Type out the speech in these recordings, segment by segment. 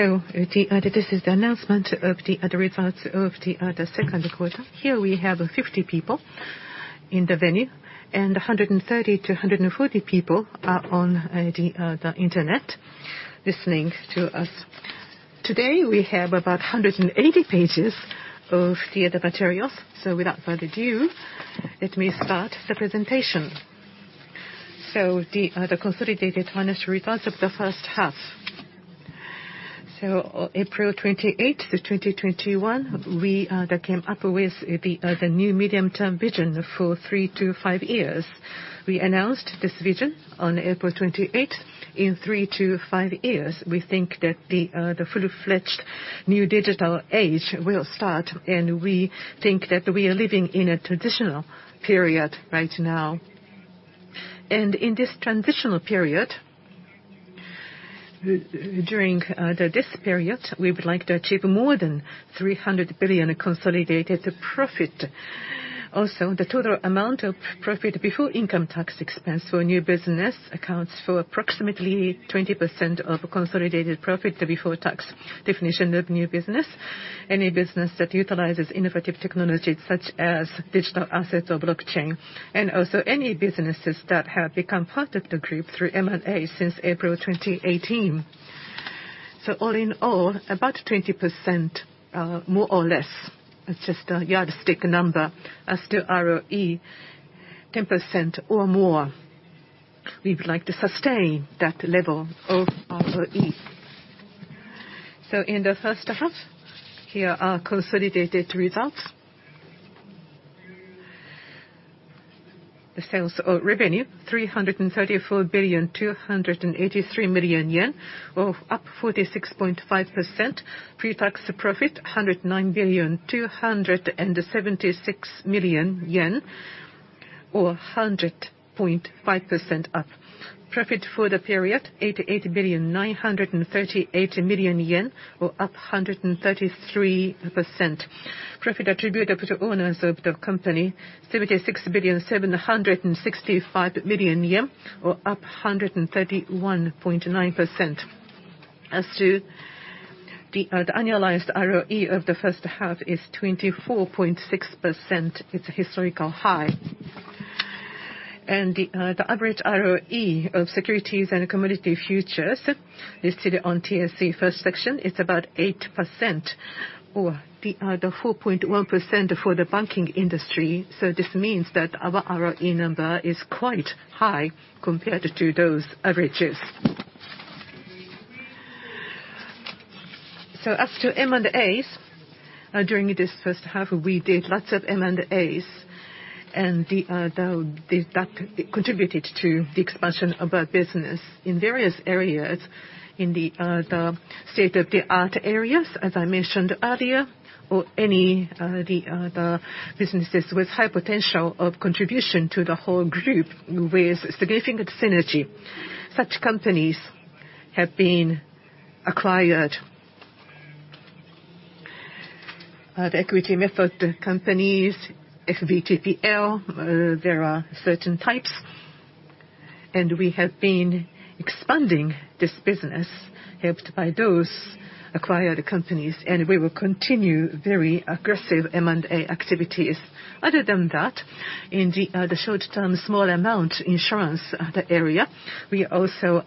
This is the announcement of the results of the second quarter. Here we have 50 people in the venue, and 130 people to 140 people are on the internet listening to us. Today, we have about 180 pages of the materials. Without further ado, let me start the presentation. The consolidated financial results of the first half. April 28, 2021, we came up with the new medium-term vision for three to five years. We announced this vision on April 28. In three to five years, we think that the full-fledged new digital age will start, and we think that we are living in a transitional period right now. In this transitional period, during this period, we would like to achieve more than 300 billion consolidated profit. Also, the total amount of profit before income tax expense for new business accounts for approximately 20% of consolidated profit before tax. The definition of new business is any business that utilizes innovative technologies such as digital assets or blockchain, and also any businesses that have become part of the group through M&A since April 2018. All in all, about 20%, more or less, it's just a yardstick number. As to ROE, 10% or more, we would like to sustain that level of ROE. In the first half, here are consolidated results. The sales revenue, 334.283 billion, or up 46.5%. Pre-tax profit, 109.276 billion, or 100.5% up. Profit for the period, 88.938 billion, or up 133%. Profit attributable to owners of the company, 76.765 billion, or up 131.9%. As to the annualized ROE of the first half is 24.6%. It's a historical high. The average ROE of securities and commodity futures listed on TSE First Section is about 8%, or the 4.1% for the banking industry. This means that our ROE number is quite high compared to those averages. As to M&As, during this first half, we did lots of M&As, and that contributed to the expansion of our business in various areas in the state-of-the-art areas, as I mentioned earlier, or the businesses with high potential of contribution to the whole group with significant synergy. Such companies have been acquired. The equity method companies, FVTPL, there are certain types, and we have been expanding this business helped by those acquired companies, and we will continue very aggressive M&A activities. Other than that, in the short-term small amount insurance area, we also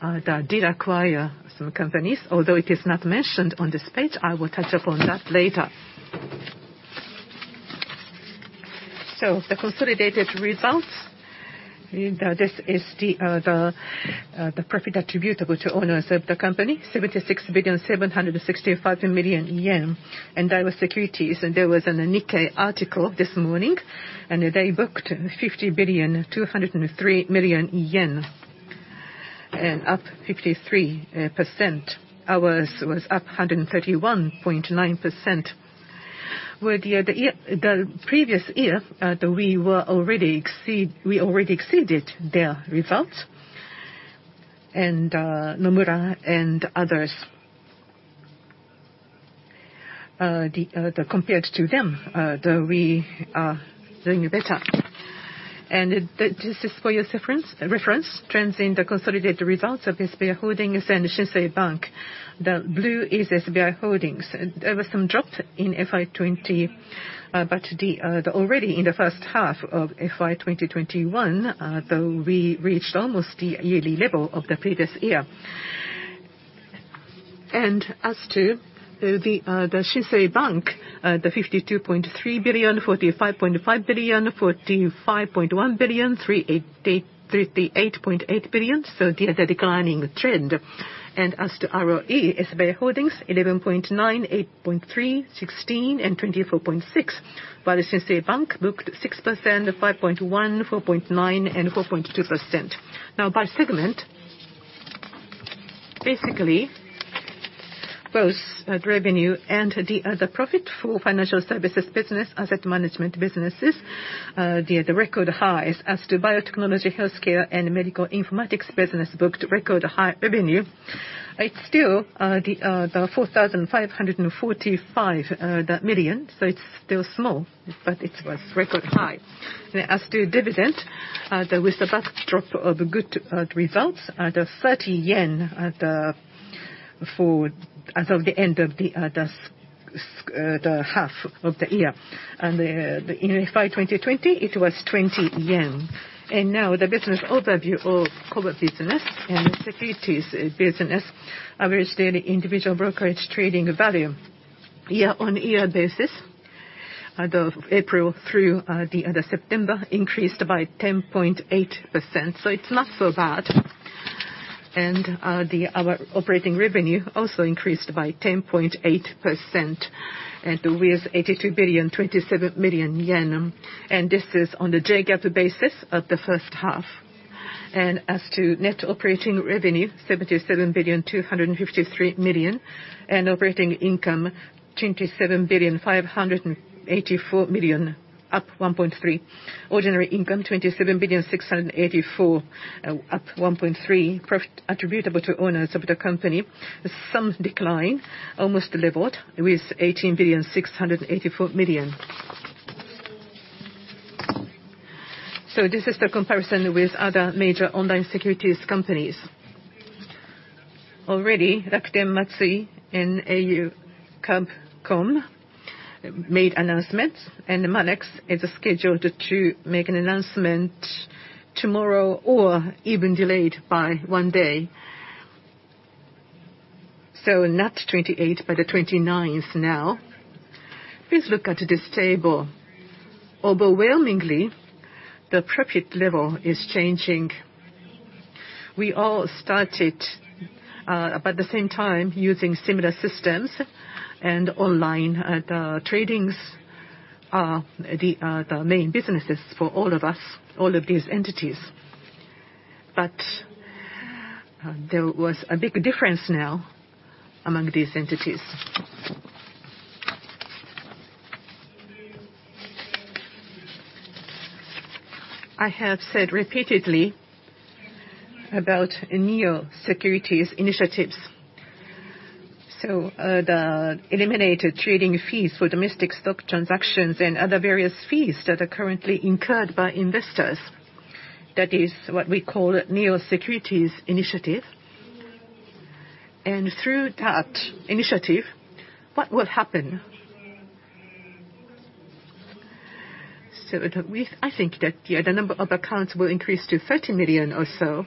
did acquire some companies. Although it is not mentioned on this page, I will touch upon that later. This is the profit attributable to owners of the company, 76.765 billion. Daiwa Securities, there was a Nikkei article this morning, and they booked 50.203 billion, up 53%. Ours was up 131.9%. Compared with the previous year, we already exceeded their results. Nomura and others, compared to them, we are doing better. For your reference, trends in the consolidated results of SBI Holdings and Shinsei Bank. The blue is SBI Holdings. There was some drop in FY 2020, but already in the first half of FY 2021, we reached almost the yearly level of the previous year. As to the Shinsei Bank, the 52.3 billion, 45.5 billion, 45.1 billion, 38.8 billion. So there's a declining trend. As to ROE, SBI Holdings 11.9%, 8.3%, 16%, and 24.6%. While the Shinsei Bank booked 6%, 5.1%, 4.9%, and 4.2%. Now by segment, basically, both revenue and the profit for financial services business, asset management businesses, they had the record highs. As to biotechnology, healthcare, and medical informatics business booked record high revenue. It's still the 4,545 million, so it's still small, but it was record high. As to dividend, with the backdrop of good results, the 30 yen as of the end of the first half of the year. In FY 2020, it was 20 yen. Now the business overview of COVID business and securities business. Average daily individual brokerage trading value year-on-year basis, April through September increased by 10.8%, so it's not so bad. Our operating revenue also increased by 10.8%, and with 83.27 billion, and this is on the JGAAP basis of the first half. As to net operating revenue, 77.253 billion. Operating income 27.584 billion, up 1.3%. Ordinary income 27.684 billion, up 1.3%. Profit attributable to owners of the company, some decline, almost leveled with 18.684 billion. This is the comparison with other major online securities companies. Already Rakuten Securities, Matsui Securities and au Kabucom Securities made announcements, and Monex is scheduled to make an announcement tomorrow or even delayed by one day. Not the 28th, but the 29th now. Please look at this table. Overwhelmingly, the profit level is changing. We all started about the same time using similar systems and online trading are the main businesses for all of us, all of these entities. There was a big difference now among these entities. I have said repeatedly about Neomobile Securities initiatives. The elimination of trading fees for domestic stock transactions and other various fees that are currently incurred by investors. That is what we call Neomobile Securities initiative. Through that initiative, what will happen? I think that the number of accounts will increase to 30 million or so.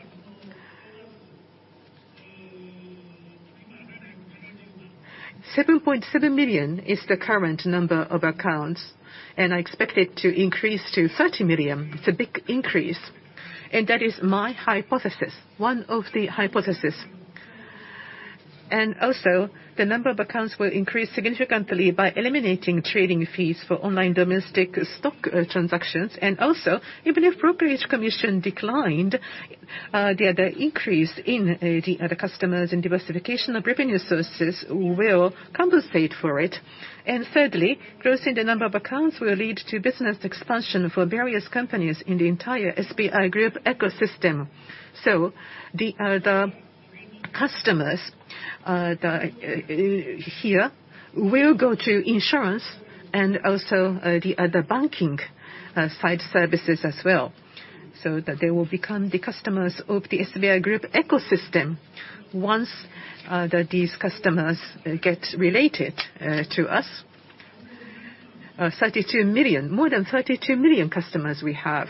7.7 million is the current number of accounts, and I expect it to increase to 30 million. It's a big increase, and that is my hypothesis, one of the hypothesis. The number of accounts will increase significantly by eliminating trading fees for online domestic stock transactions. Even if brokerage commission declined, the increase in the customers and diversification of revenue sources will compensate for it. Thirdly, growth in the number of accounts will lead to business expansion for various companies in the entire SBI Group ecosystem. The customers here will go to insurance and also the banking site services as well, so that they will become the customers of the SBI Group ecosystem once these customers get related to us. 32 million, more than 32 million customers we have.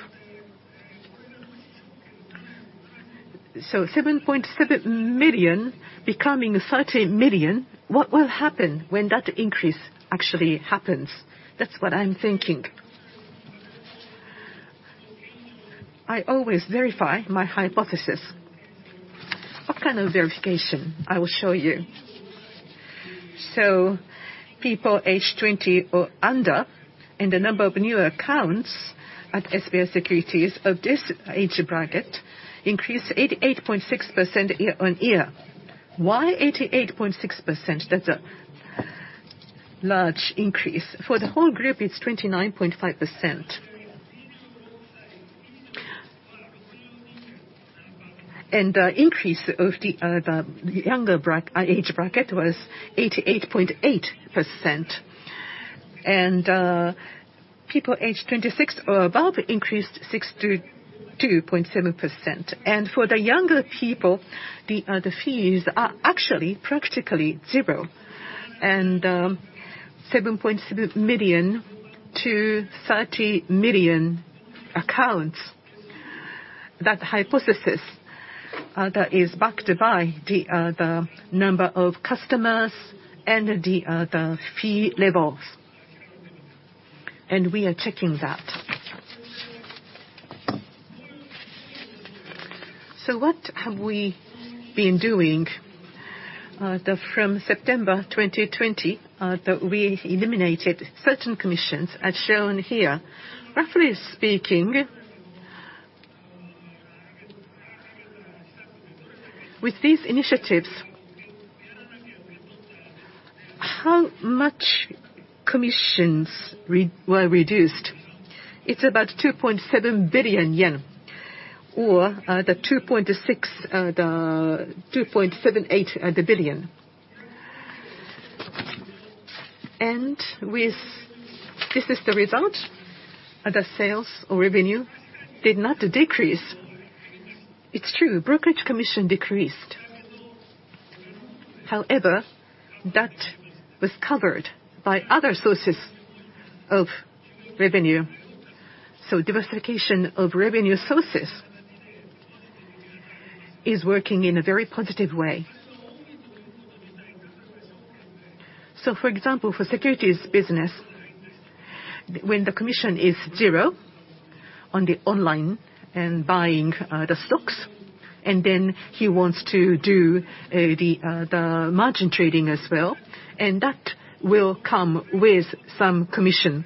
7.7 million becoming 30 million. What will happen when that increase actually happens? That's what I'm thinking. I always verify my hypothesis. What kind of verification? I will show you. People aged 20 or under, and the number of new accounts at SBI Securities of this age bracket increased 88.6% year-on-year. Why 88.6%? That's a large increase. For the whole group, it's 29.5%. Increase of the younger age bracket was 88.8%. People aged 26 or above increased 62.7%. For the younger people, the fees are actually practically zero. 7.7 million to 30 million accounts, that hypothesis that is backed by the number of customers and the fee levels, and we are checking that. What have we been doing? From September 2020, we eliminated certain commissions as shown here. Roughly speaking, with these initiatives, how much commissions were reduced? It's about 2.78 billion yen. With this is the result, the sales or revenue did not decrease. It's true, brokerage commission decreased. However, that was covered by other sources of revenue. Diversification of revenue sources is working in a very positive way. For example, for securities business, when the commission is zero on the online buying of the stocks, and then one wants to do the margin trading as well, and that will come with some commission.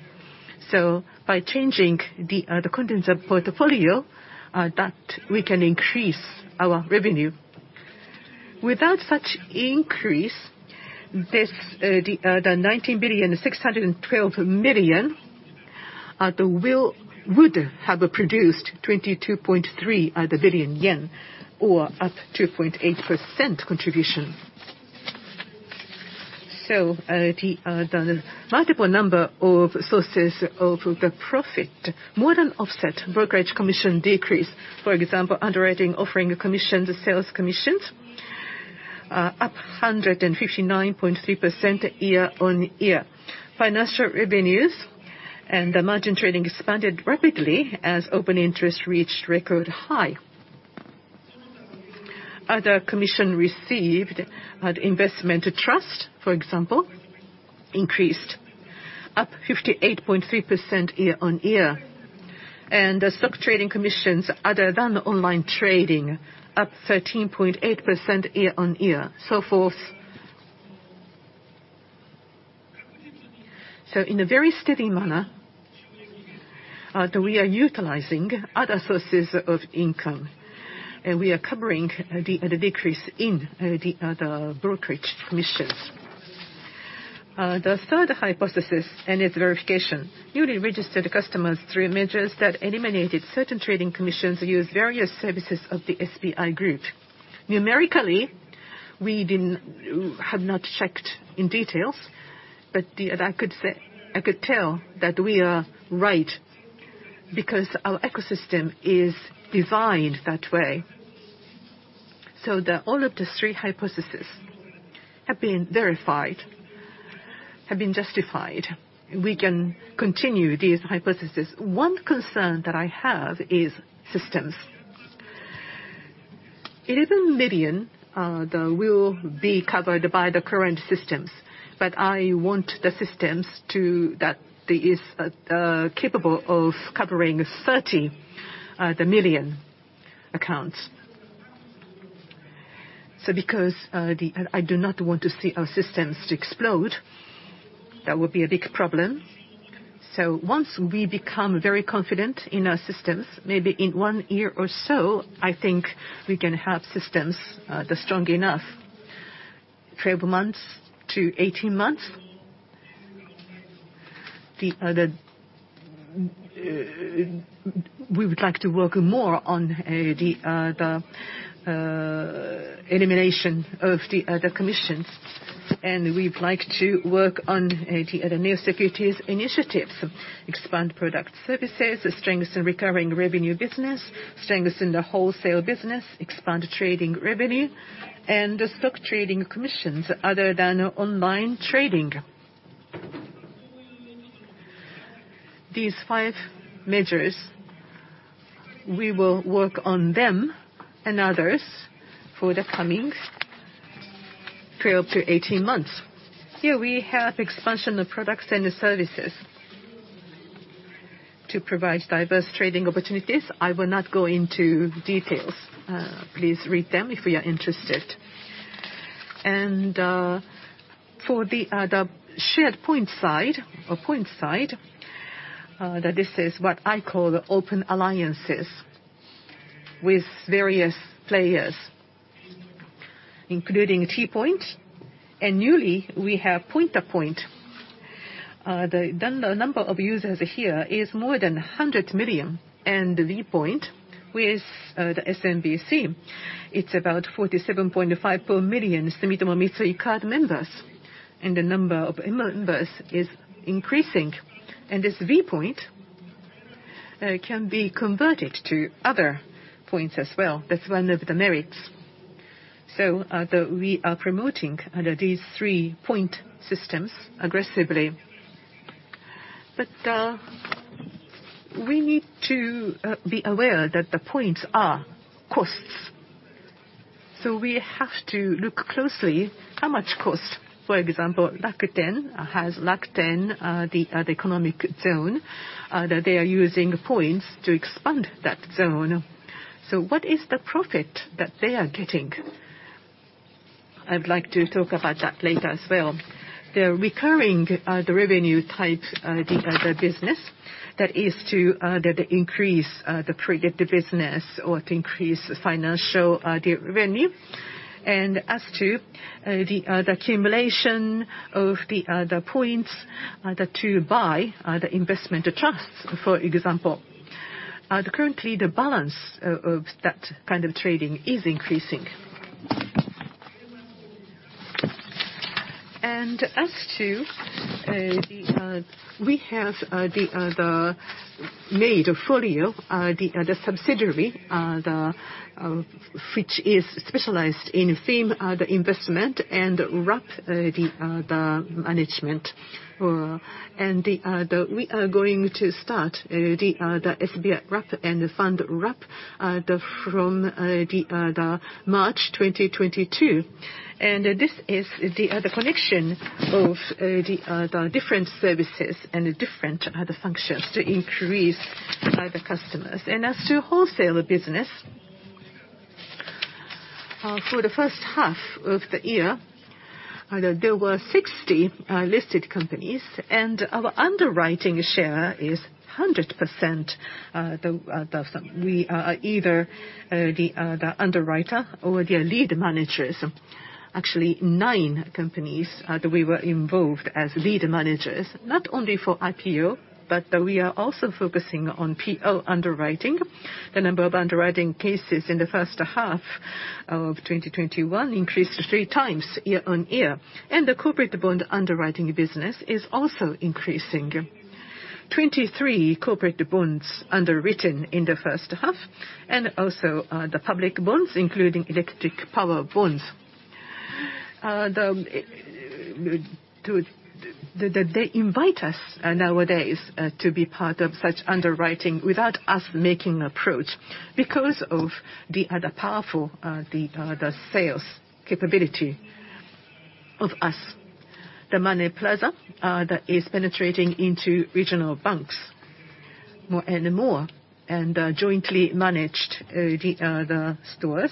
By changing the contents of portfolio, that we can increase our revenue. Without such increase, the 19.612 billion would have produced 22.3 billion yen, or up 2.8% contribution. The multiple number of sources of the profit more than offset brokerage commission decrease. For example, underwriting offering commissions, sales commissions, up 159.3% year-over-year. Financial revenues and the margin trading expanded rapidly as open interest reached record high. Other commission received, the investment trust, for example, increased up 58.3% year-over-year. The stock trading commissions other than online trading up 13.8% year-over-year, and so forth. In a very steady manner, we are utilizing other sources of income, and we are covering the decrease in the brokerage commissions. The third hypothesis and its verification. Newly registered customers through measures that eliminated certain trading commissions use various services of the SBI Group. Numerically, we have not checked in detail, but I could say, I could tell that we are right because our ecosystem is designed that way. All of the three hypotheses have been verified, have been justified. We can continue these hypotheses. One concern that I have is systems. Even a million, though, will be covered by the current systems, but I want the systems capable of covering 30 million accounts. Because I do not want to see our systems explode, that would be a big problem. Once we become very confident in our systems, maybe in one year or so, I think we can have systems that are strong enough, 12 months to 18 months. We would like to work more on the elimination of the commissions, and we'd like to work on the new securities initiatives, expand product services, strengthen recurring revenue business, strengthen the wholesale business, expand trading revenue, and the stock trading commissions other than online trading. These five measures, we will work on them and others for the coming 12 months to 18 months. Here we have expansion of products and services to provide diverse trading opportunities. I will not go into details. Please read them if you are interested. For the shared point side or point side, that this is what I call the open alliances with various players, including T-Point, and newly we have Ponta Point. The number of users here is more than 100 million. V Point with the SMBC, it's about 47.5 per million Sumitomo Mitsui Card members, and the number of members is increasing. This V Point can be converted to other points as well. That's one of the merits. We are promoting these three point systems aggressively. We need to be aware that the points are costs. We have to look closely how much cost. For example, Rakuten has the economic zone that they are using points to expand that zone. What is the profit that they are getting? I'd like to talk about that later as well. The recurring revenue type business that increases the credit business or increases financial revenue. As to the accumulation of the points to buy the investment trusts, for example. Currently, the balance of that kind of trading is increasing. As to, we have the FOLIO, the subsidiary which is specialized in FEM investment and wrap management. We are going to start the SBI Wrap and the fund wrap from March 2022. This is the connection of the different services and the different functions to increase SBI customers. As to wholesaler business, for the first half of the year, there were 60 listed companies, and our underwriting share is 100%. We are either the underwriter or the lead managers. Actually nine companies that we were involved as lead managers, not only for IPO, but we are also focusing on PO underwriting. The number of underwriting cases in the first half of 2021 increased 3x year-on-year. The corporate bond underwriting business is also increasing. 23 corporate bonds underwritten in the first half, and also the public bonds, including electric power bonds. They invite us nowadays to be part of such underwriting without us making approach because of the powerful sales capability of us. SBI Money Plaza, that is penetrating into regional banks more and more, and jointly managed the stores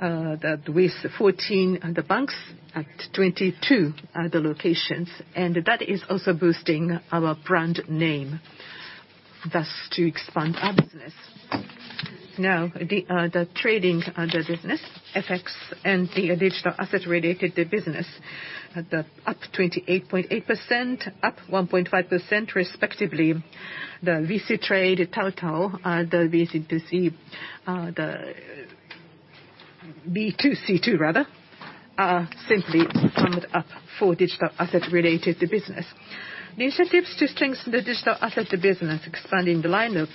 that with 14 banks at 22 locations. That is also boosting our brand name, thus to expand our business. Now, the trading business, FX and the digital asset related business, up 28.8%, up 1.5% respectively. The VC Trade, TaoTao, B2C, the B2C2 rather, simply rounded up for digital asset related business. The initiatives to strengthen the digital asset business, expanding the line of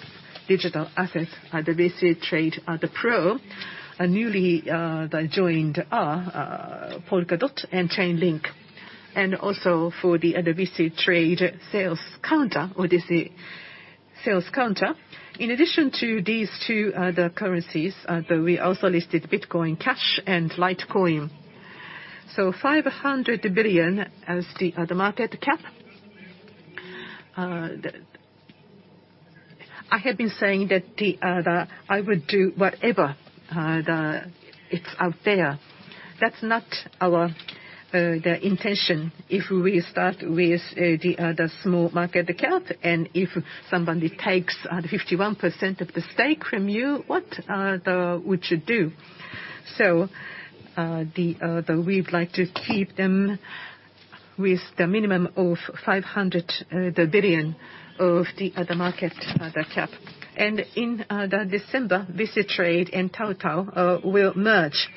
digital assets, the VC Trade Pro, newly joined are Polkadot and Chainlink. Also for the other VC Trade sales counter, Odyssey sales counter. In addition to these two, we also listed Bitcoin Cash and Litecoin. $500 billion as the market cap. I have been saying that I would do whatever it's out there. That's not our intention. If we start with the small market cap, and if somebody takes the 51% of the stake from you, what would you do? We'd like to keep them with the minimum of $500 billion of the market cap. In December, VC Trade and TaoTao will merge.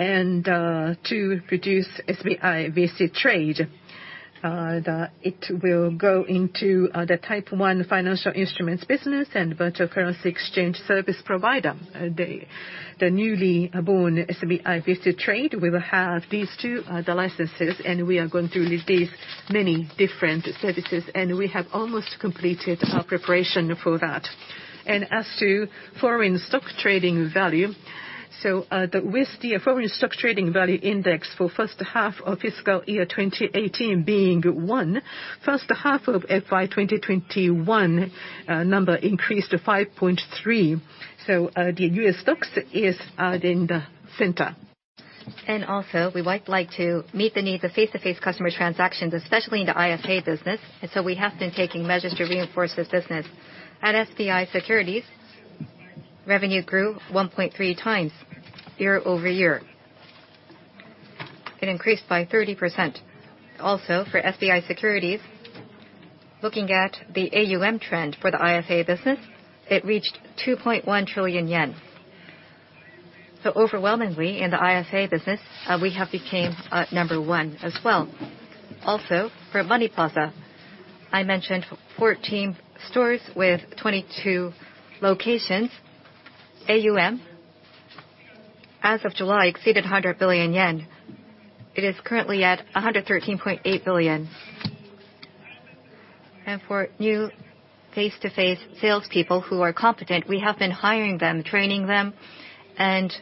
To produce SBI VC Trade, it will go into the type one financial instruments business and virtual currency exchange service provider. The newly born SBI VC Trade will have these two licenses, and we are going to release many different services, and we have almost completed our preparation for that. As to foreign stock trading value, with the foreign stock trading value index for first half of fiscal year 2018 being one, first half of FY 2021 number increased to 5.3. The U.S. stocks is in the center. We would like to meet the needs of face-to-face customer transactions, especially in the ISA business. We have been taking measures to reinforce this business. At SBI Securities, revenue grew 1.3 times year-over-year. It increased by 30%. Also, for SBI Securities, looking at the AUM trend for the ISA business, it reached 2.1 trillion yen. Overwhelmingly in the ISA business, we have became number one as well. Also, for Money Plaza, I mentioned 14 stores with 22 locations. AUM as of July exceeded 100 billion yen. It is currently at 113.8 billion. For new face-to-face salespeople who are competent, we have been hiring them, training them, and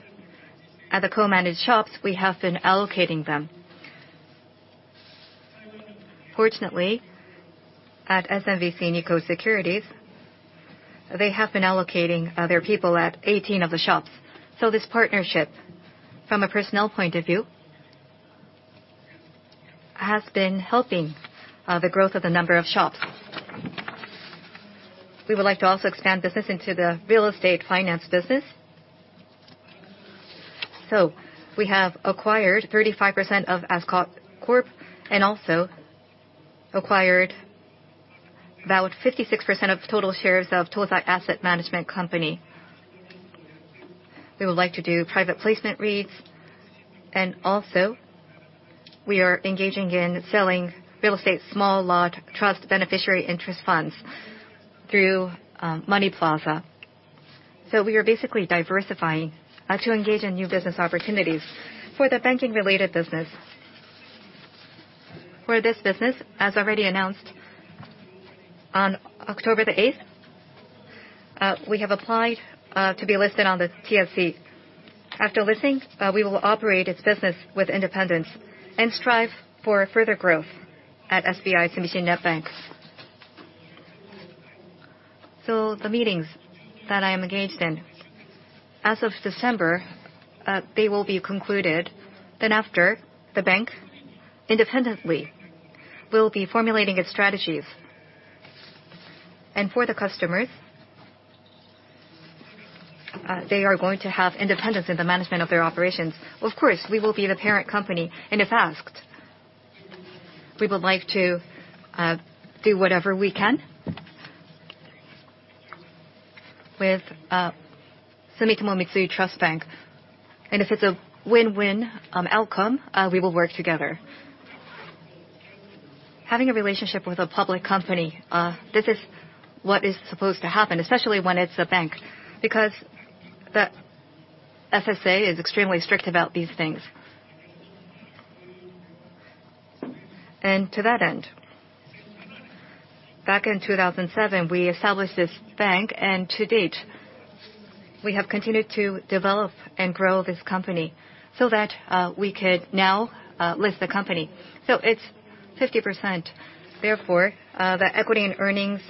at the co-managed shops, we have been allocating them. Fortunately, at SMBC Nikko Securities, they have been allocating their people at 18 of the shops. This partnership from a personnel point of view has been helping the growth of the number of shops. We would like to also expand business into the real estate finance business. We have acquired 35% of Ascot Corp., and also acquired about 56% of total shares of Tosei Asset Management Company. We would like to do private placement REITs, and also we are engaging in selling real estate small lot trust beneficiary interest funds through Money Plaza. We are basically diversifying to engage in new business opportunities for the banking related business. For this business, as already announced on October the 8th, we have applied to be listed on the TSE. After listing, we will operate its business with independence and strive for further growth at SBI Sumishin Net Bank. The meetings that I am engaged in, as of December, they will be concluded. After, the bank independently will be formulating its strategies. For the customers, they are going to have independence in the management of their operations. Of course, we will be the parent company, and if asked, we would like to do whatever we can with Sumitomo Mitsui Trust Bank. If it's a win-win outcome, we will work together. Having a relationship with a public company, this is what is supposed to happen, especially when it's a bank, because the FSA is extremely strict about these things. To that end, back in 2007, we established this bank, and to date, we have continued to develop and grow this company so that we could now list the company. It's 50%. Therefore, the equity and earnings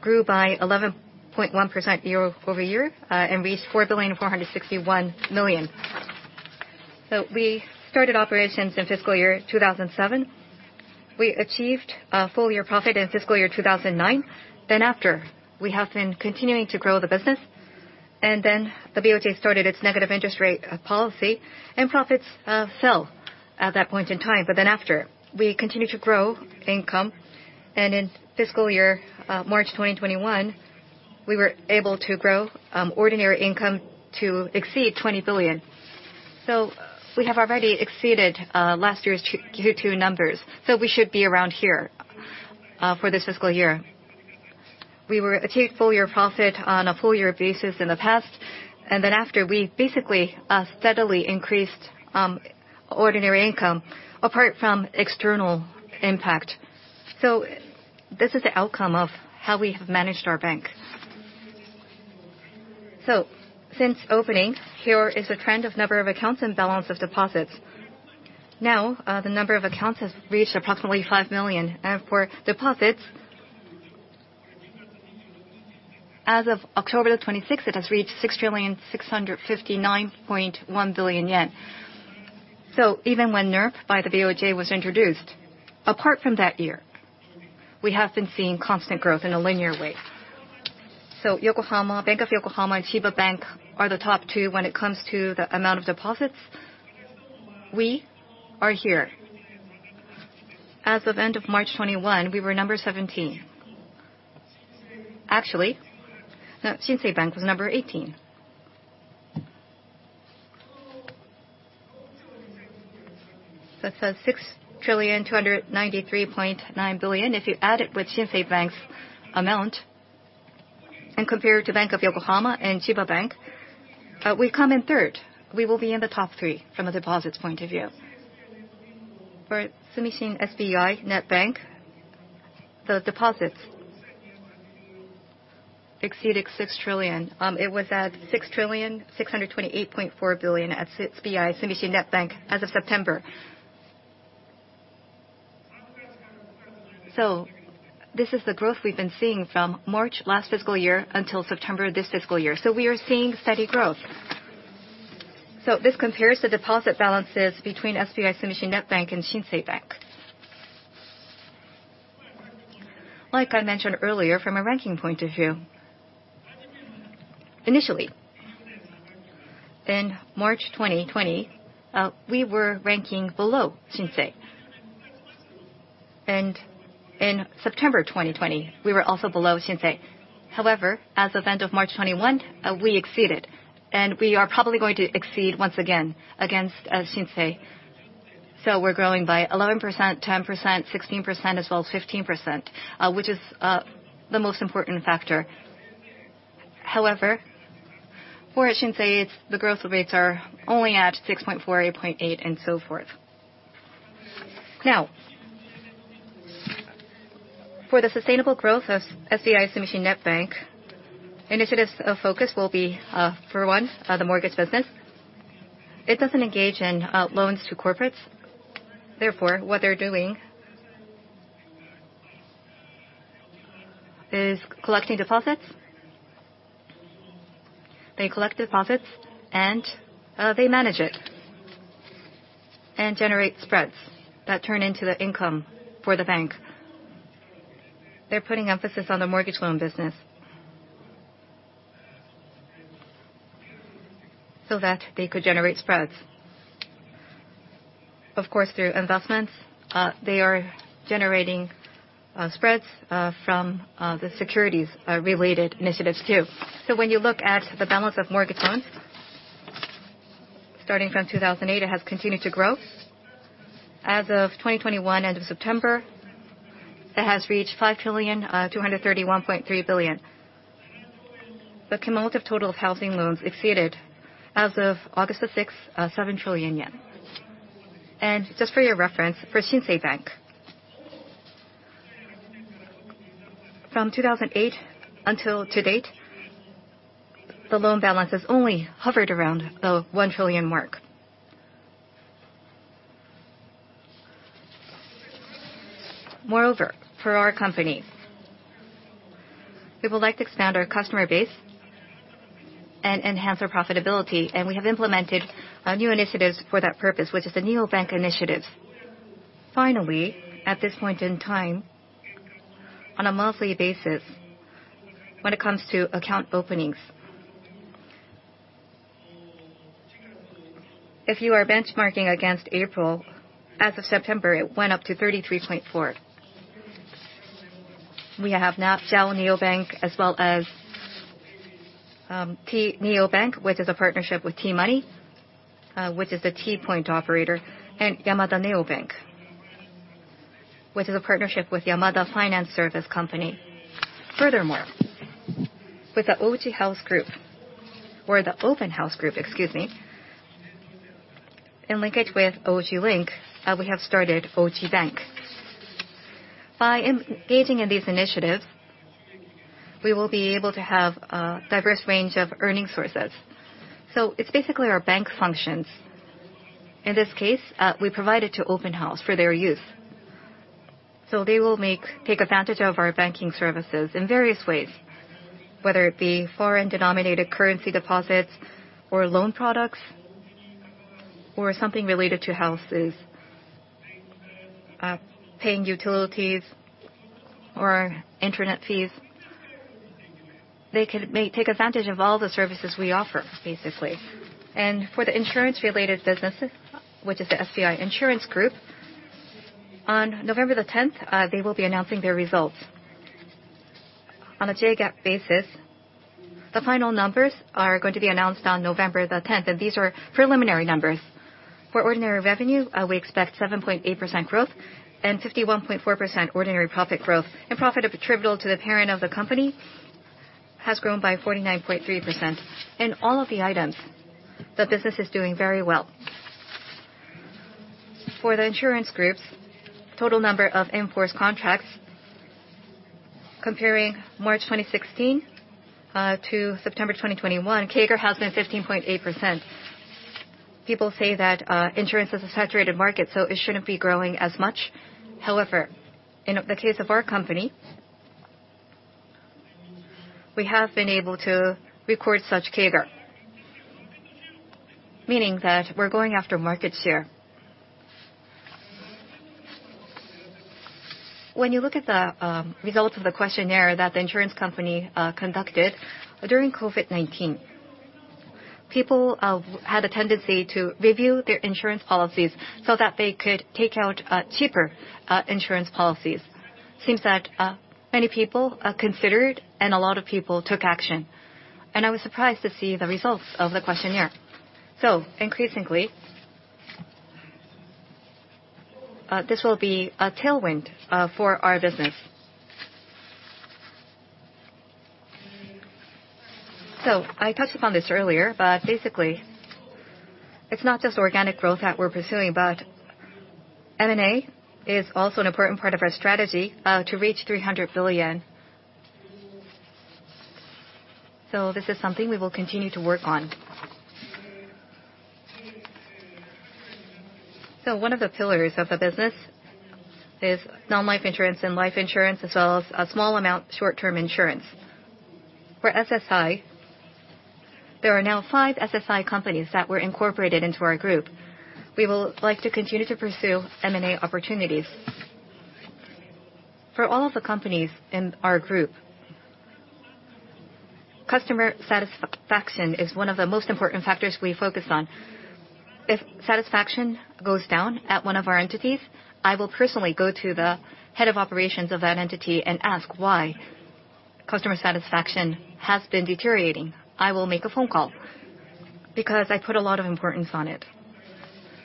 grew by 11.1% year-over-year and reached 4,461 billion. We started operations in fiscal year 2007. We achieved a full year profit in fiscal year 2009. We have been continuing to grow the business, and then the BOJ started its negative interest rate policy, and profits fell at that point in time. We continued to grow income, and in fiscal year March 2021, we were able to grow ordinary income to exceed 20 billion. We have already exceeded last year's Q2 numbers, so we should be around here for this fiscal year. We achieved full year profit on a full year basis in the past, and then after, we basically steadily increased ordinary income apart from external impact. This is the outcome of how we have managed our bank. Since opening, here is a trend of number of accounts and balance of deposits. Now, the number of accounts has reached approximately 5 million, and for deposits, as of October 26th, it has reached 6,659.1 billion yen. Even when NIRP by the BOJ was introduced, apart from that year, we have been seeing constant growth in a linear way. Yokohama, Bank of Yokohama, Chiba Bank are the top two when it comes to the amount of deposits. We are here. As of the end of March 2021, we were number 17. Actually, no, Shinsei Bank was number 18. That's JPY 6.293.9 trillion. If you add it with Shinsei Bank's amount and compare it to Bank of Yokohama and Chiba Bank, we come in third. We will be in the top three from a deposits point of view. For SBI Sumishin Net Bank, the deposits exceeded six trillion. It was at JPY 6.628.4 trillion at SBI Sumishin Net Bank as of September. This is the growth we've been seeing from March last fiscal year until September this fiscal year. We are seeing steady growth. This compares the deposit balances between SBI Sumishin Net Bank and Shinsei Bank. Like I mentioned earlier, from a ranking point of view, initially, in March 2020, we were ranking below Shinsei. In September 2020, we were also below Shinsei. However, as of end of March 2021, we exceeded, and we are probably going to exceed once again against Shinsei. We're growing by 11%, 10%, 16% as well as 15%, which is the most important factor. However, for Shinsei, it's the growth rates are only at 6.4%, 8.8%, and so forth. Now, for the sustainable growth of SBI Sumishin Net Bank, initiatives focus will be, for one, the mortgage business. It doesn't engage in loans to corporates. Therefore, what they're doing is collecting deposits. They collect deposits, and they manage it. They generate spreads that turn into the income for the bank. They're putting emphasis on the mortgage loan business so that they could generate spreads. Of course, through investments, they are generating spreads from the securities related initiatives too. When you look at the balance of mortgage loans, starting from 2008, it has continued to grow. As of 2021, end of September, it has reached 5,231.3 trillion. The cumulative total of housing loans exceeded, as of August the 6th, 7 trillion yen. Just for your reference, for Shinsei Bank, from 2008 until to date, the loan balance has only hovered around the 1 trillion mark. Moreover, for our company, we would like to expand our customer base and enhance our profitability, and we have implemented new initiatives for that purpose, which is the NEOBANK initiatives. Finally, at this point in time, on a monthly basis, when it comes to account openings if you are benchmarking against April, as of September, it went up to 33.4. We have now JAL NEOBANK, as well as, T NEOBANK, which is a partnership with T Money, which is the T-Point operator, and Yamada NEOBANK, which is a partnership with Yamada Financial Service Company. Furthermore, with the Open House Group, excuse me, in linkage with OJ Link, we have started OJ Bank. By engaging in these initiatives, we will be able to have a diverse range of earning sources. It's basically our bank functions. In this case, we provide it to Open House for their use. They will take advantage of our banking services in various ways, whether it be foreign-denominated currency deposits or loan products or something related to houses, paying utilities or internet fees. They may take advantage of all the services we offer, basically. For the insurance-related businesses, which is the SBI Insurance Group, on November the 10th, they will be announcing their results. On a JGAAP basis, the final numbers are going to be announced on November the 10th, and these are preliminary numbers. For ordinary revenue, we expect 7.8% growth and 51.4% ordinary profit growth. Profit attributable to the parent of the company has grown by 49.3%. In all of the items, the business is doing very well. For the insurance groups, total number of in-force contracts comparing March 2016 to September 2021, CAGR has been 15.8%. People say that insurance is a saturated market, so it shouldn't be growing as much. However, in the case of our company, we have been able to record such CAGR, meaning that we're going after market share. When you look at the results of the questionnaire that the insurance company conducted during COVID-19, people had a tendency to review their insurance policies so that they could take out cheaper insurance policies. Seems that many people considered and a lot of people took action, and I was surprised to see the results of the questionnaire. Increasingly, this will be a tailwind for our business. I touched upon this earlier, but basically it's not just organic growth that we're pursuing, but M&A is also an important part of our strategy to reach 300 billion. This is something we will continue to work on. One of the pillars of the business is non-life insurance and life insurance, as well as a small-amount short-term insurance. For SSI, there are now five SSI companies that were incorporated into our group. We would like to continue to pursue M&A opportunities. For all of the companies in our group, customer satisfaction is one of the most important factors we focus on. If satisfaction goes down at one of our entities, I will personally go to the head of operations of that entity and ask why customer satisfaction has been deteriorating. I will make a phone call because I put a lot of importance on it.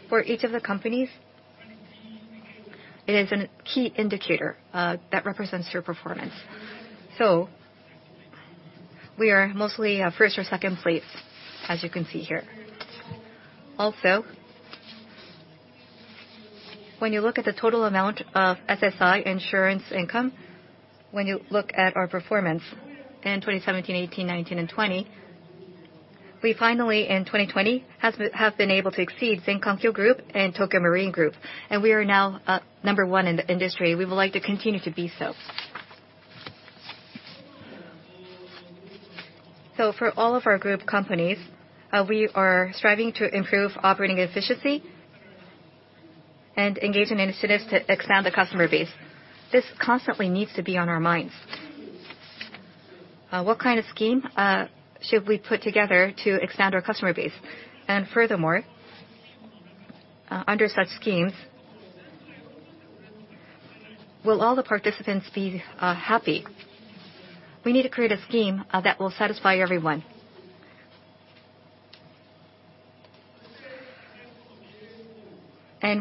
For each of the companies, it is a key indicator that represents your performance. We are mostly first or second place, as you can see here. Also, when you look at the total amount of SSI insurance income, when you look at our performance in 2017, 2018, 2019, and 2020, we finally in 2020 have been able to exceed Zenrosai Group and Tokio Marine Group, and we are now number one in the industry. We would like to continue to be so. For all of our group companies, we are striving to improve operating efficiency and engage in initiatives to expand the customer base. This constantly needs to be on our minds. What kind of scheme should we put together to expand our customer base? Furthermore, under such schemes, will all the participants be happy? We need to create a scheme that will satisfy everyone.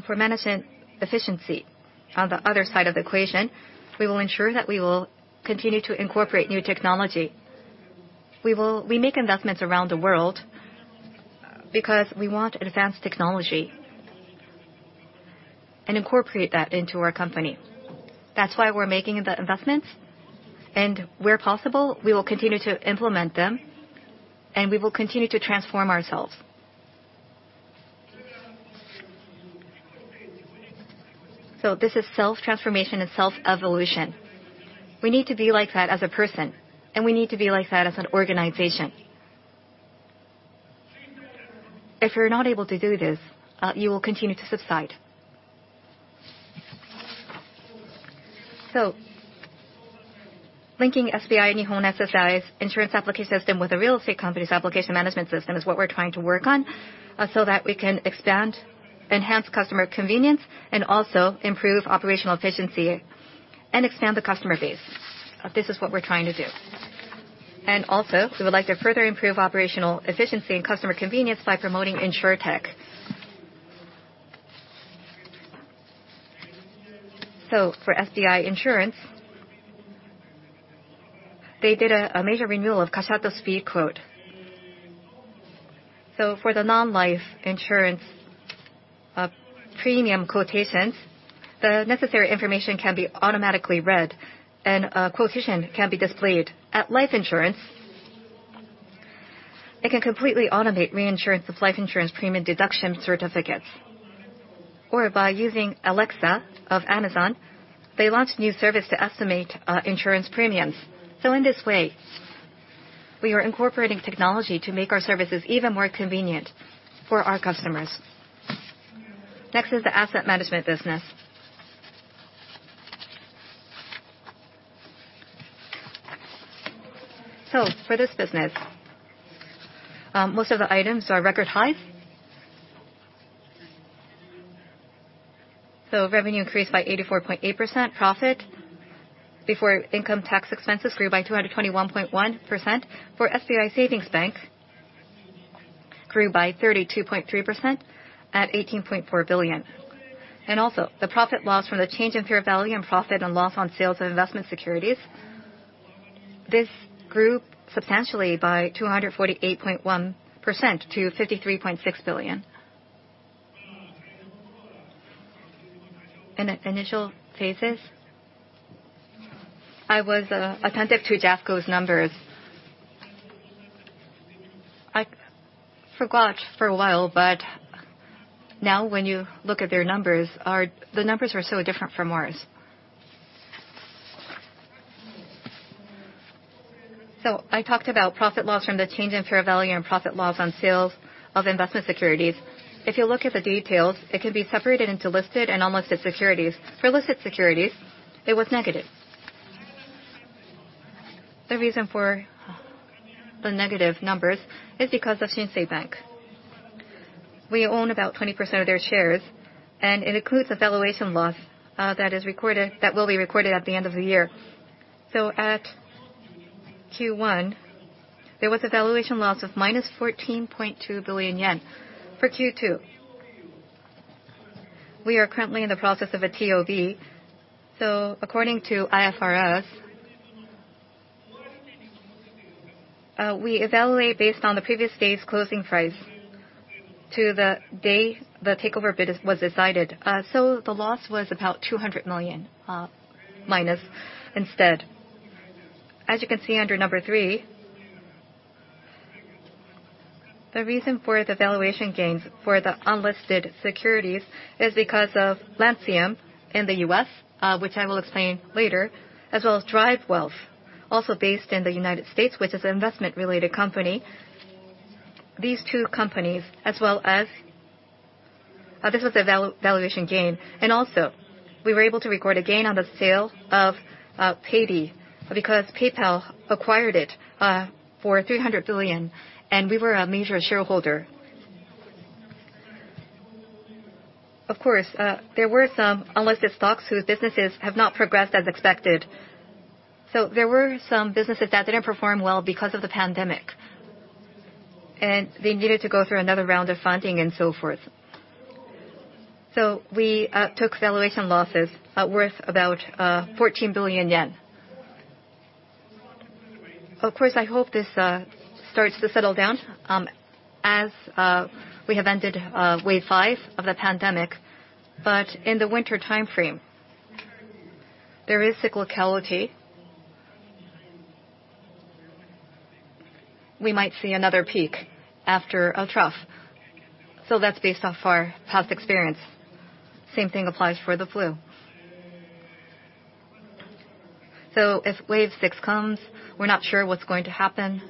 For management efficiency on the other side of the equation, we will ensure that we will continue to incorporate new technology. We make investments around the world because we want advanced technology, and incorporate that into our company. That's why we're making the investments, and where possible, we will continue to implement them, and we will continue to transform ourselves. This is self-transformation and self-evolution. We need to be like that as a person, and we need to be like that as an organization. If you're not able to do this, you will continue to subside. Linking SBI Nihon SSI's insurance application system with the real estate company's application management system is what we're trying to work on, so that we can expand, enhance customer convenience, and also improve operational efficiency and expand the customer base. This is what we're trying to do. We would like to further improve operational efficiency and customer convenience by promoting InsurTech. For SBI Insurance, they did a major renewal of Kashikoi Speed Quote. For the non-life insurance, premium quotations, the necessary information can be automatically read and quotation can be displayed. At life insurance, it can completely automate reinsurance of life insurance premium deduction certificates. By using Alexa of Amazon, they launched a new service to estimate insurance premiums. In this way, we are incorporating technology to make our services even more convenient for our customers. Next is the asset management business. For this business, most of the items are record highs. Revenue increased by 84.8%. Profit before income tax expenses grew by 221.1%. For SBI Savings Bank grew by 32.3% at 18.4 billion. Also, the profit and loss from the change in fair value and profit and loss on sales of investment securities grew substantially by 248.1% to 53.6 billion. In the initial phases, I was attentive to JASDAQ numbers. I forgot for a while, but now when you look at their numbers, the numbers are so different from ours. I talked about profit and loss from the change in fair value and profit and loss on sales of investment securities. If you look at the details, it can be separated into listed and unlisted securities. For listed securities, it was negative. The reason for the negative numbers is because of Shinsei Bank. We own about 20% of their shares, and it includes a valuation loss that will be recorded at the end of the year. At Q1, there was a valuation loss of -14.2 billion yen. For Q2, we are currently in the process of a TOB. According to IFRS, we evaluate based on the previous day's closing price to the day the takeover bid was decided. The loss was about -200 million instead. As you can see under number three, the reason for the valuation gains for the unlisted securities is because of Lancium in the U.S., which I will explain later, as well as DriveWealth, also based in the United States, which is an investment-related company. These two companies, as well as this was a valuation gain. Also, we were able to record a gain on the sale of Paidy because PayPal acquired it for 300 billion, and we were a major shareholder. Of course, there were some unlisted stocks whose businesses have not progressed as expected. There were some businesses that didn't perform well because of the pandemic, and they needed to go through another round of funding and so forth. We took valuation losses worth about 14 billion yen. Of course, I hope this starts to settle down, as we have ended wave five of the pandemic. In the winter timeframe, there is cyclicality. We might see another peak after a trough. That's based off our past experience. Same thing applies for the flu. If wave six comes, we're not sure what's going to happen,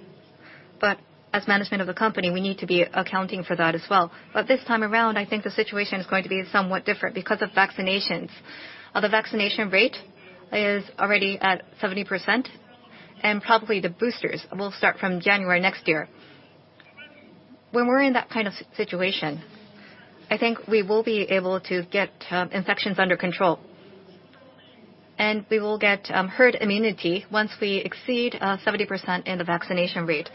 but as management of the company, we need to be accounting for that as well. This time around, I think the situation is going to be somewhat different because of vaccinations. The vaccination rate is already at 70%, and probably the boosters will start from January next year. When we're in that kind of situation, I think we will be able to get infections under control, and we will get herd immunity once we exceed 70% in the vaccination rate.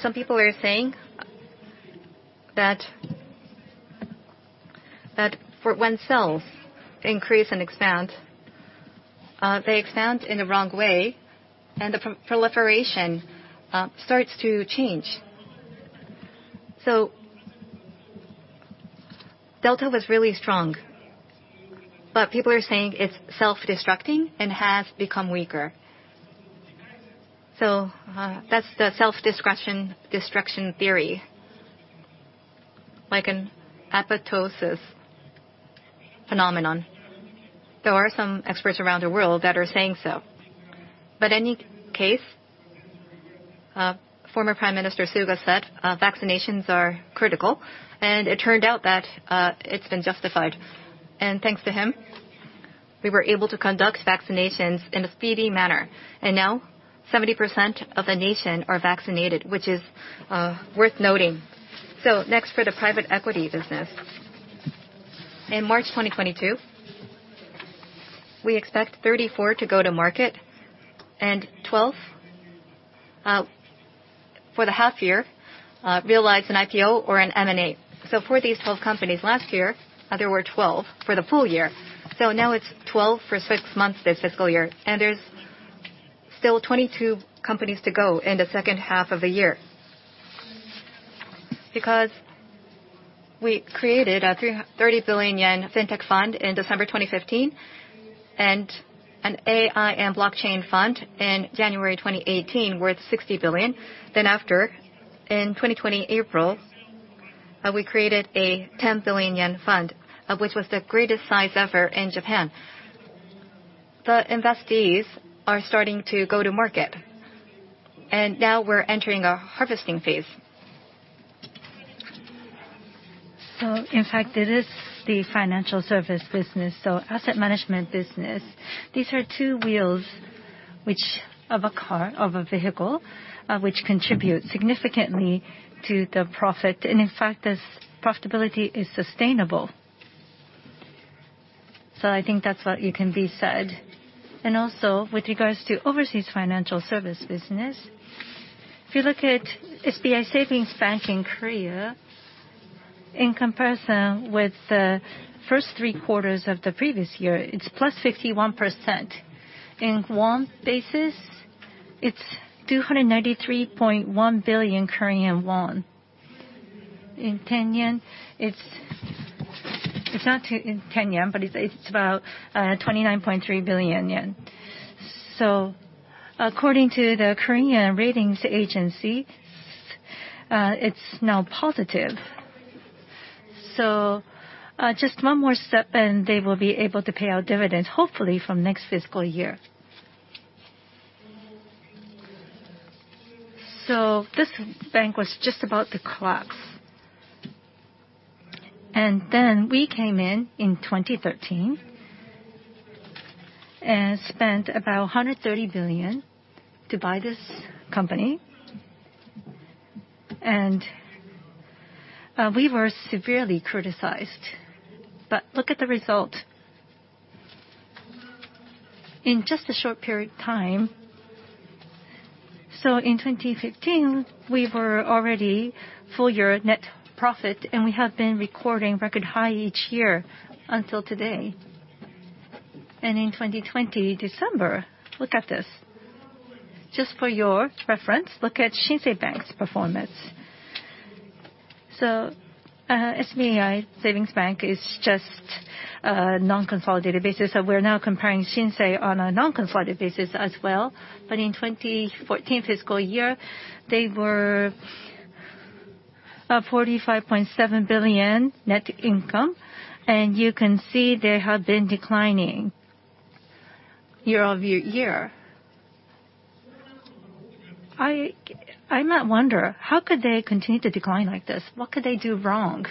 Some people are saying that for when cells increase and expand, they expand in the wrong way, and the proliferation starts to change. Delta was really strong, but people are saying it's self-destructing and has become weaker. That's the self-destruction theory, like an apoptosis phenomenon. There are some experts around the world that are saying so. In any case, former Prime Minister Suga said vaccinations are critical, and it turned out that it's been justified. Thanks to him, we were able to conduct vaccinations in a speedy manner. Now 70% of the nation are vaccinated, which is worth noting. Next for the private equity business. In March 2022, we expect 34 to go to market and 12 for the half year realize an IPO or an M&A. For these 12 companies last year, there were 12 for the full year. Now it's 12 for six months this fiscal year, and there's still 22 companies to go in the second half of the year. Because we created a 30 billion yen fintech fund in December 2015 and an AI and blockchain fund in January 2018 worth 60 billion. After, in April 2020, we created a 10 billion yen fund, which was the greatest size ever in Japan. The investees are starting to go to market, and now we're entering a harvesting phase. In fact, it is the financial service business, so asset management business. These are two wheels of a car, of a vehicle, which contribute significantly to the profit. In fact, this profitability is sustainable. I think that's what you can be said. Also, with regards to overseas financial service business, if you look at SBI Savings Bank in Korea, in comparison with the first three quarters of the previous year, it's +61%. In won basis, it's 293.1 billion Korean won. In yen, it's not in yen, but it's about 29.3 billion yen. According to the Korean ratings agency, it's now positive. Just one more step, and they will be able to pay out dividends, hopefully from next fiscal year. This bank was just about to collapse. Then we came in in 2013 and spent about 130 billion to buy this company. We were severely criticized. Look at the result. In just a short period of time, in 2015, we were already full year net profit, and we have been recording record high each year until today. In 2020 December, look at this. Just for your reference, look at Shinsei Bank's performance. SBI Savings Bank is just a non-consolidated basis, so we're now comparing Shinsei on a non-consolidated basis as well. In 2014 fiscal year, they were 45.7 billion net income, and you can see they have been declining year-over-year. I might wonder, how could they continue to decline like this? What could they do wrong?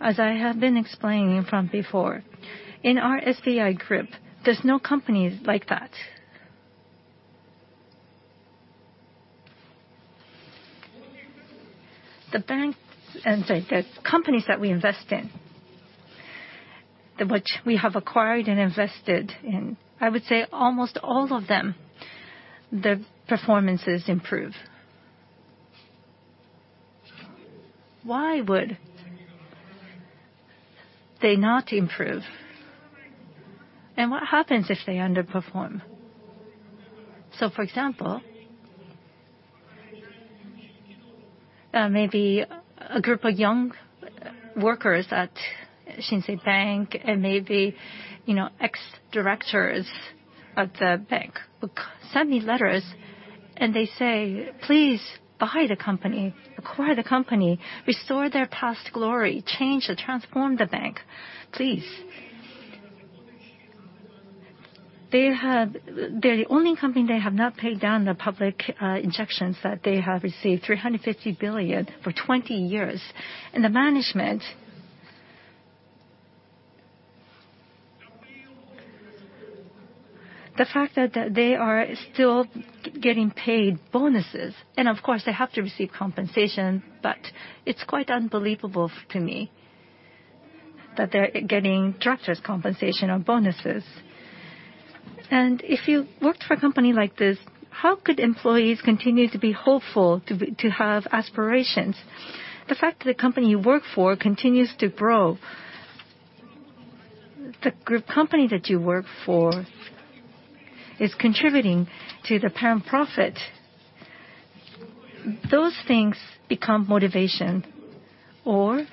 As I have been explaining from before, in our SBI group, there's no companies like that. The bank. I'm sorry, the companies that we invest in, which we have acquired and invested in, I would say almost all of them, their performances improve. Why would they not improve? What happens if they underperform? For example, maybe a group of young workers at Shinsei Bank and maybe, you know, ex-directors at the bank send me letters. They say, "Please buy the company, acquire the company, restore their past glory, change or transform the bank, please." They're the only company that have not paid down the public injections that they have received 350 billion for twenty years. The management. The fact that they are still getting paid bonuses, and of course they have to receive compensation, but it's quite unbelievable to me that they're getting directors compensation or bonuses. If you worked for a company like this, how could employees continue to be hopeful to have aspirations? The fact that the company you work for continues to grow, the group company that you work for is contributing to the parent profit. Those things become motivation, or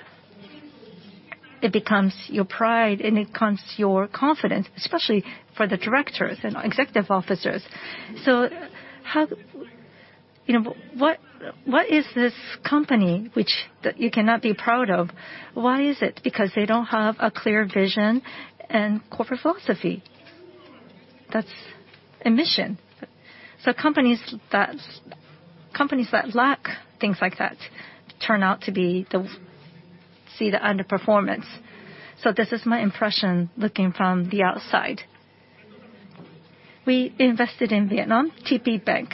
it becomes your pride and it becomes your confidence, especially for the directors and executive officers. How, you know, what is this company that you cannot be proud of? Why is it? Because they don't have a clear vision and corporate philosophy. That's a mission. Companies that lack things like that turn out to see the underperformance. This is my impression looking from the outside. We invested in Vietnam, TPBank.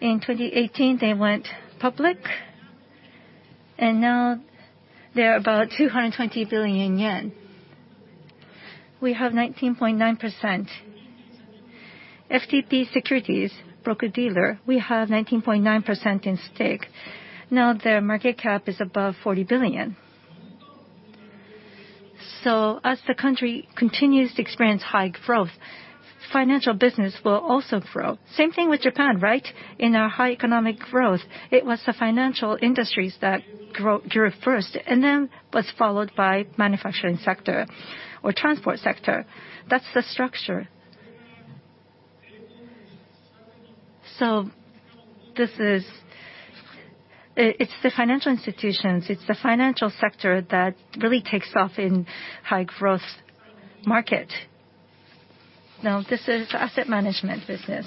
In 2018, they went public, and now they're about 220 billion yen. We have 19.9%. FPT Securities broker-dealer, we have 19.9% in stake. Now their market cap is above 40 billion. As the country continues to experience high growth, financial business will also grow. Same thing with Japan, right? In our high economic growth, it was the financial industries that grew first, and then was followed by manufacturing sector or transport sector. That's the structure. This is the financial institutions, it's the financial sector that really takes off in high growth market. Now, this is asset management business.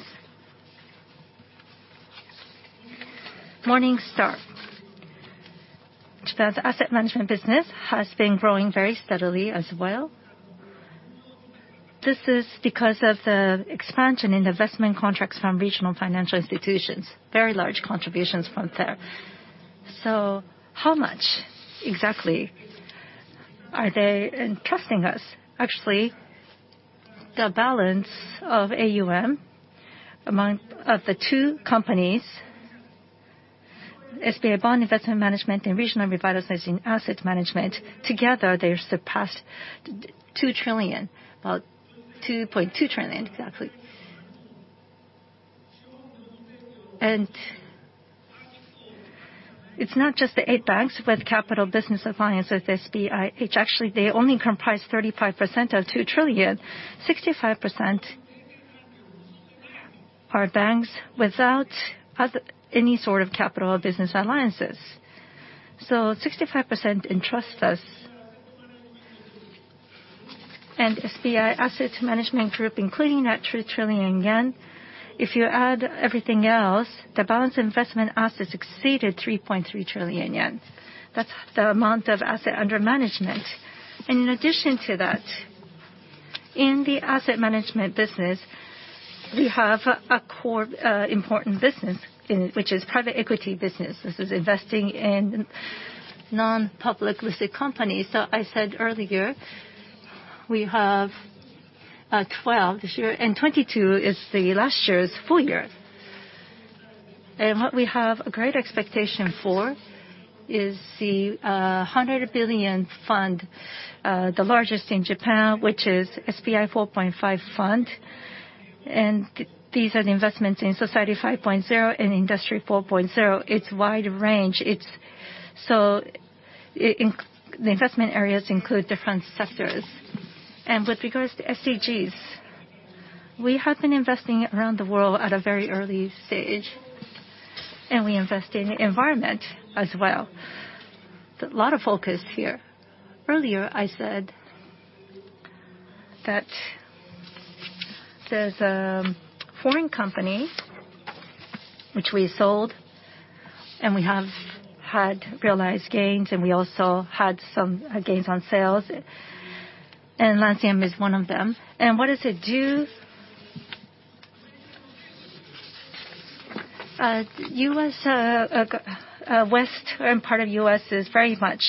Morningstar. Japan's asset management business has been growing very steadily as well. This is because of the expansion in investment contracts from regional financial institutions, very large contributions from there. How much exactly are they entrusting us? Actually, the balance of AUM of the two companies, SBI Bond Investment Management and SBI Regional Revitalization Asset Management, together they surpassed 2 trillion, well, 2.2 trillion exactly. It's not just the eight banks with Capital Business Alliance with SBIH. Actually, they only comprise 35% of 2 trillion. 65% are banks without any sort of Capital Business Alliances. 65% entrust us. SBI Asset Management Group, including that 2 trillion yen, if you add everything else, the balance investment assets exceeded 3.3 trillion yen. That's the amount of asset under management. In addition to that, in the asset management business, we have a core, important business, which is private equity business. This is investing in non-public listed companies. I said earlier, we have 12 this year, and 22 is the last year's full year. What we have a great expectation for is the 100 billion fund, the largest in Japan, which is SBI 4+5 Fund. These are the investments in Society 5.0 and Industry 4.0. It's wide range. The investment areas include different sectors. With regards to SDGs, we have been investing around the world at a very early stage, and we invest in environment as well. A lot of focus here. Earlier, I said that there's a foreign company which we sold, and we have had realized gains, and we also had some gains on sales, and Lancium is one of them. What does it do? U.S. west part of U.S. is very much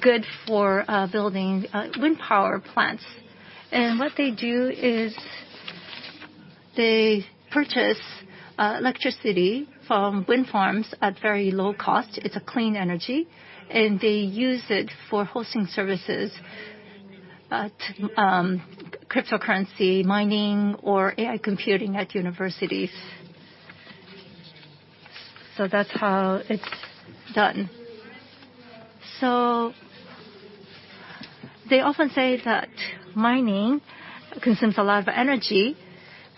good for building wind power plants. What they do is they purchase electricity from wind farms at very low cost. It's clean energy, and they use it for hosting services at cryptocurrency mining or AI computing at universities. That's how it's done. They often say that mining consumes a lot of energy,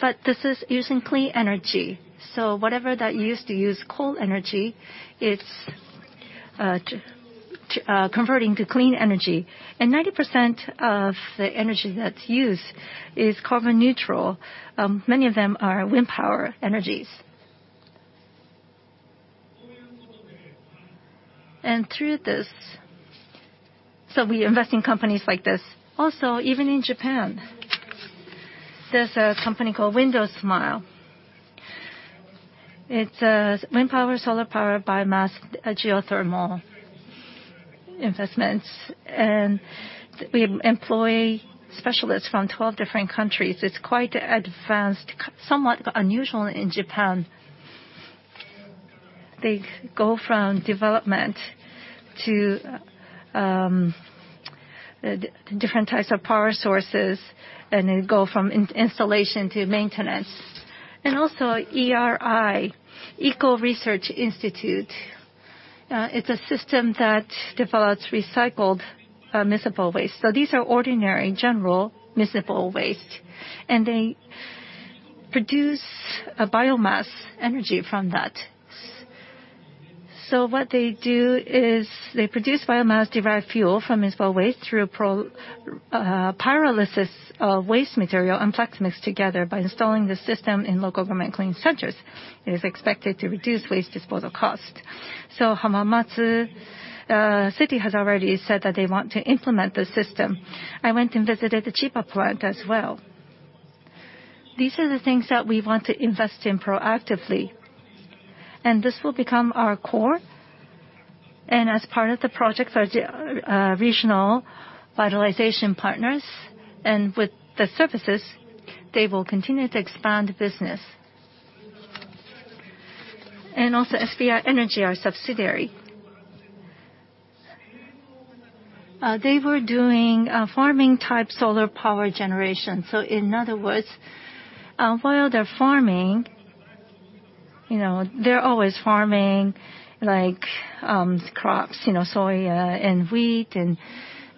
but this is using clean energy. Whatever that used to use coal energy, it's converting to clean energy. 90% of the energy that's used is carbon neutral. Many of them are wind power energies. Through this we invest in companies like this. Also, even in Japan, there's a company called WIND-SMILE. It's wind power, solar power, biomass, geothermal investments. We employ specialists from 12 different countries. It's quite advanced, somewhat unusual in Japan. They go from development to different types of power sources, and they go from installation to maintenance. Also ERI, Eco Research Institute. It's a system that develops recycled municipal waste. These are ordinary, general municipal waste, and they produce a biomass energy from that. What they do is they produce biomass-derived fuel from municipal waste through a pyrolysis of waste material and plastic mixed together by installing the system in local government cleaning centers. It is expected to reduce waste disposal cost. Hamamatsu city has already said that they want to implement the system. I went and visited the Chiba plant as well. These are the things that we want to invest in proactively, and this will become our core. As part of the project, our regional revitalization partners, and with the services, they will continue to expand the business. Also SBI Energy, our subsidiary. They were doing a farming-type solar power generation. In other words, while they're farming, you know, they're always farming, like, crops, you know, soy and wheat, and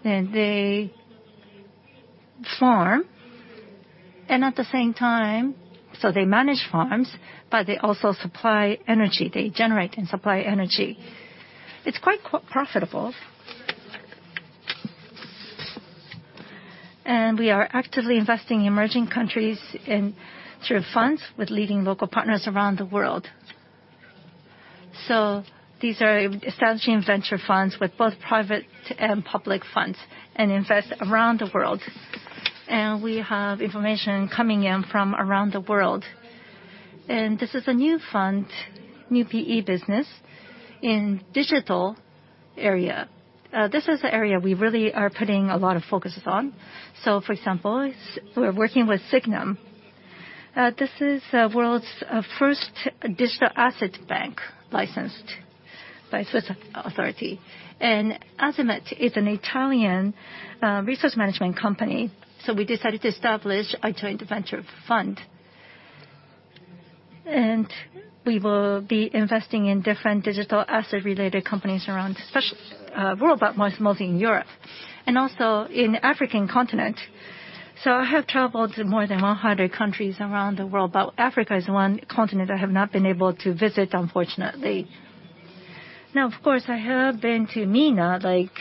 they farm. At the same time, they manage farms, but they also supply energy. They generate and supply energy. It's quite profitable. We are actively investing in emerging countries through funds with leading local partners around the world. These are establishing venture funds with both private and public funds and invest around the world. We have information coming in from around the world. This is a new fund, new PE business in digital area. This is the area we really are putting a lot of focuses on. For example, we're working with Sygnum. This is the world's first digital asset bank licensed by Swiss authority. Azimut is an Italian asset management company. We decided to establish a joint venture fund. We will be investing in different digital asset-related companies around the world, but mostly in Europe and also in African continent. I have traveled to more than 100 countries around the world, but Africa is the one continent I have not been able to visit, unfortunately. Now, of course, I have been to MENA, like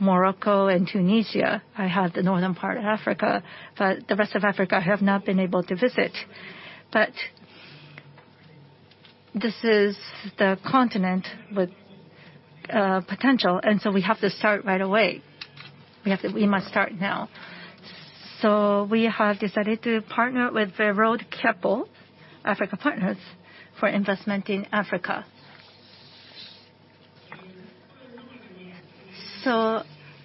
Morocco and Tunisia. I have been to the northern part of Africa, but the rest of Africa I have not been able to visit. This is the continent with potential, and so we have to start right away. We must start now. We have decided to partner with Verod-Kepple Africa Partners for investment in Africa. I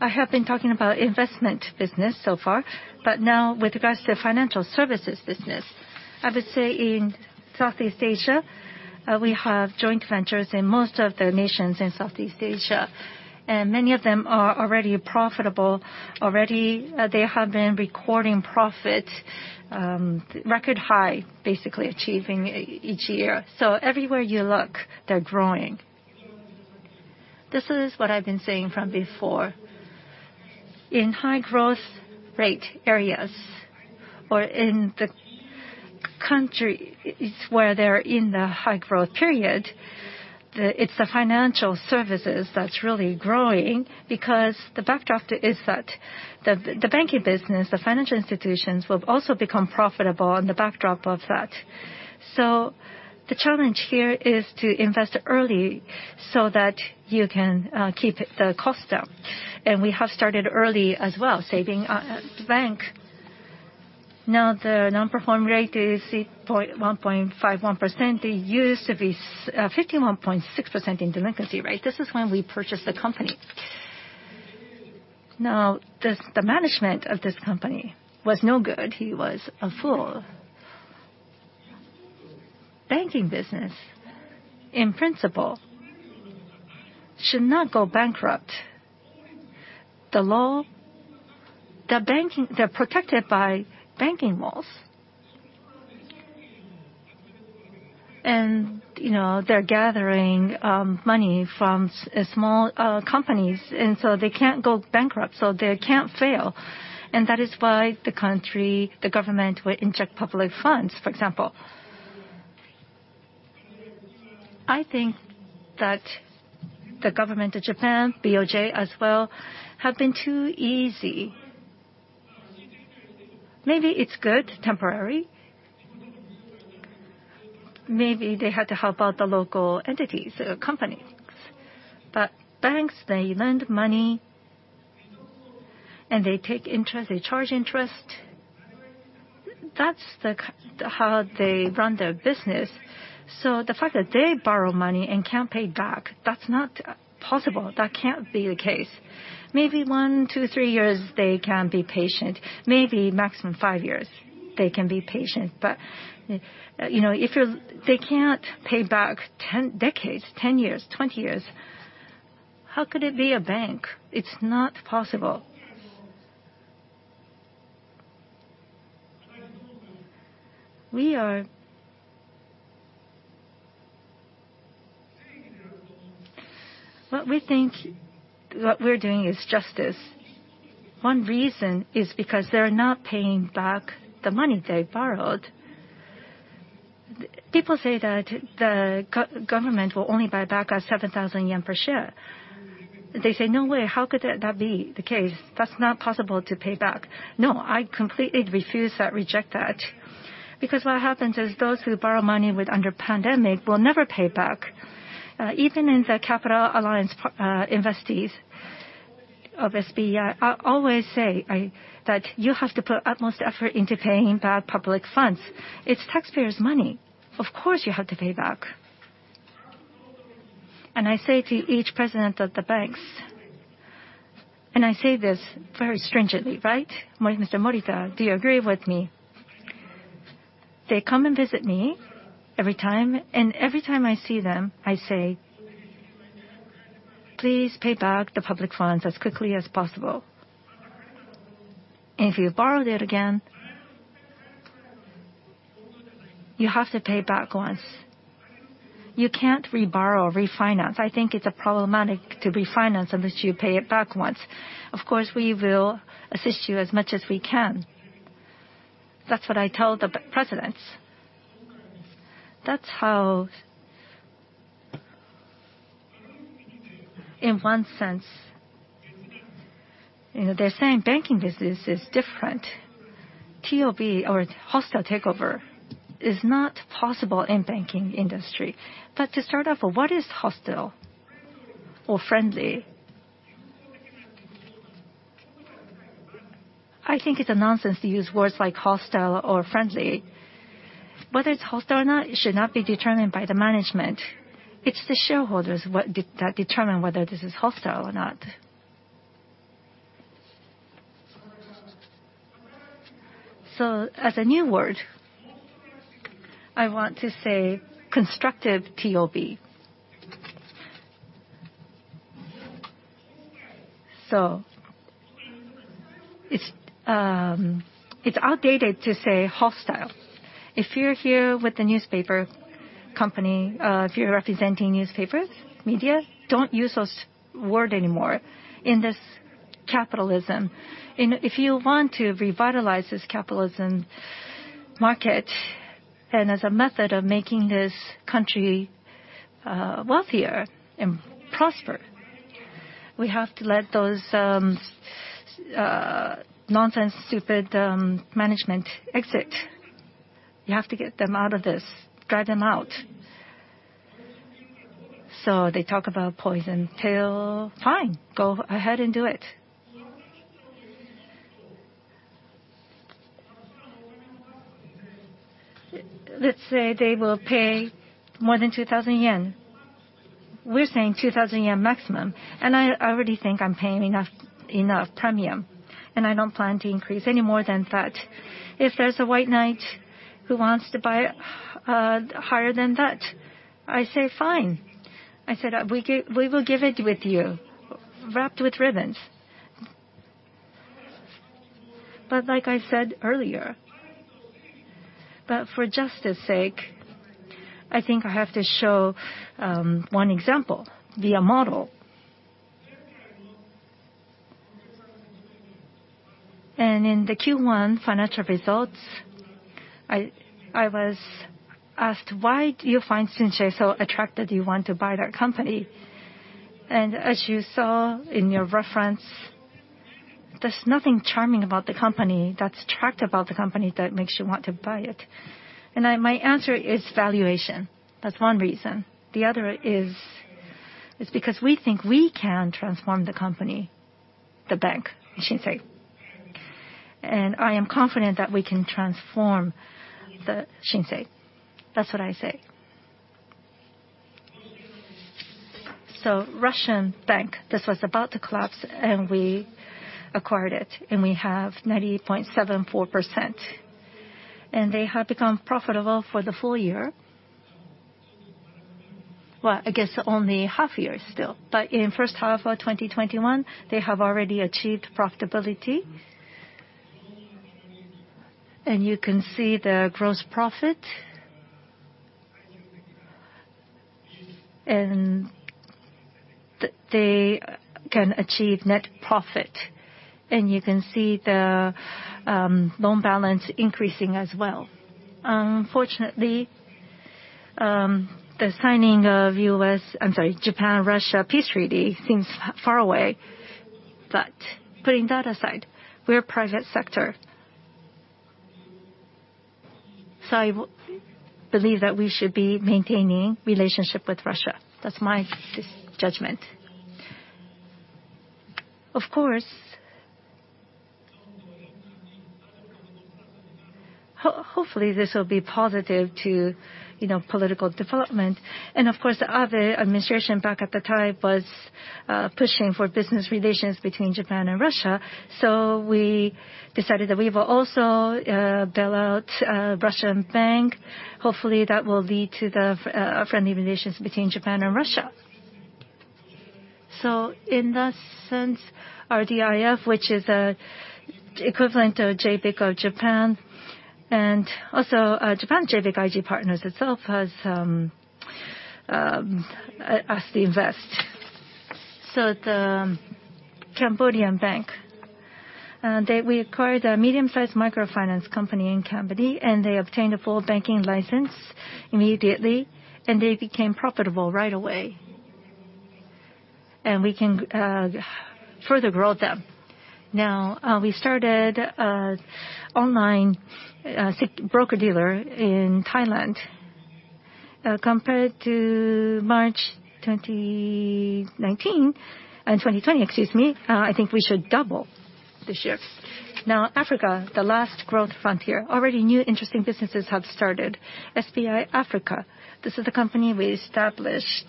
have been talking about investment business so far, but now with regards to financial services business, I would say in Southeast Asia, we have joint ventures in most of the nations in Southeast Asia, and many of them are already profitable. Already, they have been recording profit, record high, basically achieving each year. Everywhere you look, they're growing. This is what I've been saying from before. In high growth rate areas or in the countries where they're in the high growth period, it's the financial services that's really growing because the backdrop to is that the banking business, the financial institutions will also become profitable in the backdrop of that. The challenge here is to invest early so that you can keep the cost down. We have started early as well, SBI Savings Bank. Now, the non-performing rate is 1.51%. It used to be 51.6% in delinquency rate. This is when we purchased the company. Now, the management of this company was no good. He was a fool. Banking business, in principle, should not go bankrupt. The law, the banking, they're protected by banking laws. You know, they're gathering money from small companies, and so they can't go bankrupt, so they can't fail. That is why the country, the government will inject public funds, for example. I think that the government of Japan, BOJ as well, have been too easy. Maybe it's good temporary. Maybe they had to help out the local entities or companies. Banks, they lend money, and they take interest, they charge interest. That's the key how they run their business. The fact that they borrow money and can't pay back, that's not possible. That can't be the case. Maybe one, two, three years, they can be patient. Maybe maximum five years, they can be patient. You know, they can't pay back 10 decades, 10 years, 20 years. How could it be a bank? It's not possible. We are... What we think, what we're doing is justice. One reason is because they're not paying back the money they borrowed. People say that the government will only buy back at 7,000 yen per share. They say, "No way. How could that be the case? That's not possible to pay back." No, I completely refuse that, reject that. Because what happens is those who borrow money during the pandemic will never pay back. Even in the Capital Alliance, investees of SBI, I always say that you have to put utmost effort into paying back public funds. It's taxpayers' money. Of course, you have to pay back. I say to each president of the banks, and I say this very stringently, right? Mr. Morita, do you agree with me? They come and visit me every time, and every time I see them, I say, "Please pay back the public funds as quickly as possible." If you borrowed it again, you have to pay back once. You can't reborrow or refinance. I think it's problematic to refinance unless you pay it back once. Of course, we will assist you as much as we can. That's what I tell the presidents. That's how, in one sense, you know, they're saying banking business is different. TOB or hostile takeover is not possible in banking industry. To start off, what is hostile or friendly? I think it's nonsense to use words like hostile or friendly. Whether it's hostile or not, it should not be determined by the management. It's the shareholders that determine whether this is hostile or not. As a new word, I want to say constructive TOB. It's outdated to say hostile. If you're here with the newspaper company, if you're representing newspapers, media, don't use those words anymore in this capitalism. If you want to revitalize this capitalism market and as a method of making this country wealthier and prosper, we have to let those nonsense, stupid management exit. You have to get them out of this, drive them out. They talk about poison pill. Fine, go ahead and do it. Let's say they will pay more than 2,000 yen. We're saying 2,000 yen maximum, and I already think I'm paying enough premium, and I don't plan to increase any more than that. If there's a white knight who wants to buy higher than that, I say, "Fine." I said, "We will give it with you, wrapped with ribbons." Like I said earlier, for justice's sake, I think I have to show one example via model. In the Q1 financial results, I was asked, "Why do you find Shinsei so attractive you want to buy that company?" As you saw in your reference, there's nothing charming about the company that's attractive about the company that makes you want to buy it. My answer is valuation. That's one reason. The other is because we think we can transform the company, the bank, Shinsei. I am confident that we can transform the Shinsei. That's what I say. Russian bank, this was about to collapse, and we acquired it, and we have 97.4%. They have become profitable for the full year. Well, I guess only half year still, but in first half of 2021, they have already achieved profitability. You can see the gross profit. They can achieve net profit. You can see the loan balance increasing as well. Unfortunately, the signing of the Japan-Russia peace treaty seems far away. Putting that aside, we're private sector, so I believe that we should be maintaining relationship with Russia. That's my judgment. Of course, hopefully, this will be positive to, you know, political development. Of course, the Abe administration back at the time was pushing for business relations between Japan and Russia. We decided that we will also bail out Russian bank. Hopefully, that will lead to the friendly relations between Japan and Russia. In that sense, RDIF, which is equivalent of JBIC of Japan, and also JBIC IG Partners itself has asked to invest. The Cambodian bank, we acquired a medium-sized microfinance company in Cambodia, and they obtained a full banking license immediately, and they became profitable right away. We can further grow them. Now, we started an online broker-dealer in Thailand. Compared to March 2019, 2020, excuse me, I think we should double the shares. Now, Africa, the last growth frontier, already new interesting businesses have started. SBI Africa, this is the company we established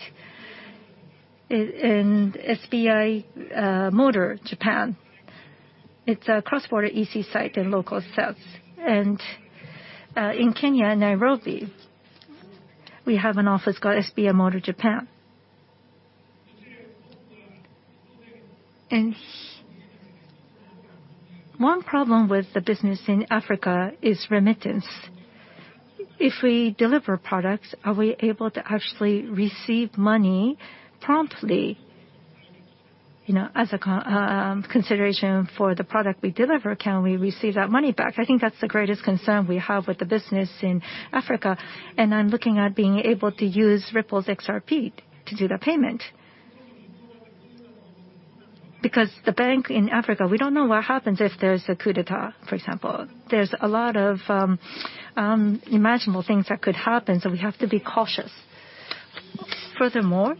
in SBI Motor Japan. It's a cross-border EC site and local sales. In Kenya, Nairobi, we have an office called SBI Motor Japan. One problem with the business in Africa is remittance. If we deliver products, are we able to actually receive money promptly? You know, as a consideration for the product we deliver, can we receive that money back? I think that's the greatest concern we have with the business in Africa. I'm looking at being able to use Ripple's XRP to do the payment. Because the bank in Africa, we don't know what happens if there's a coup d'etat, for example. There's a lot of imaginable things that could happen, so we have to be cautious. Furthermore,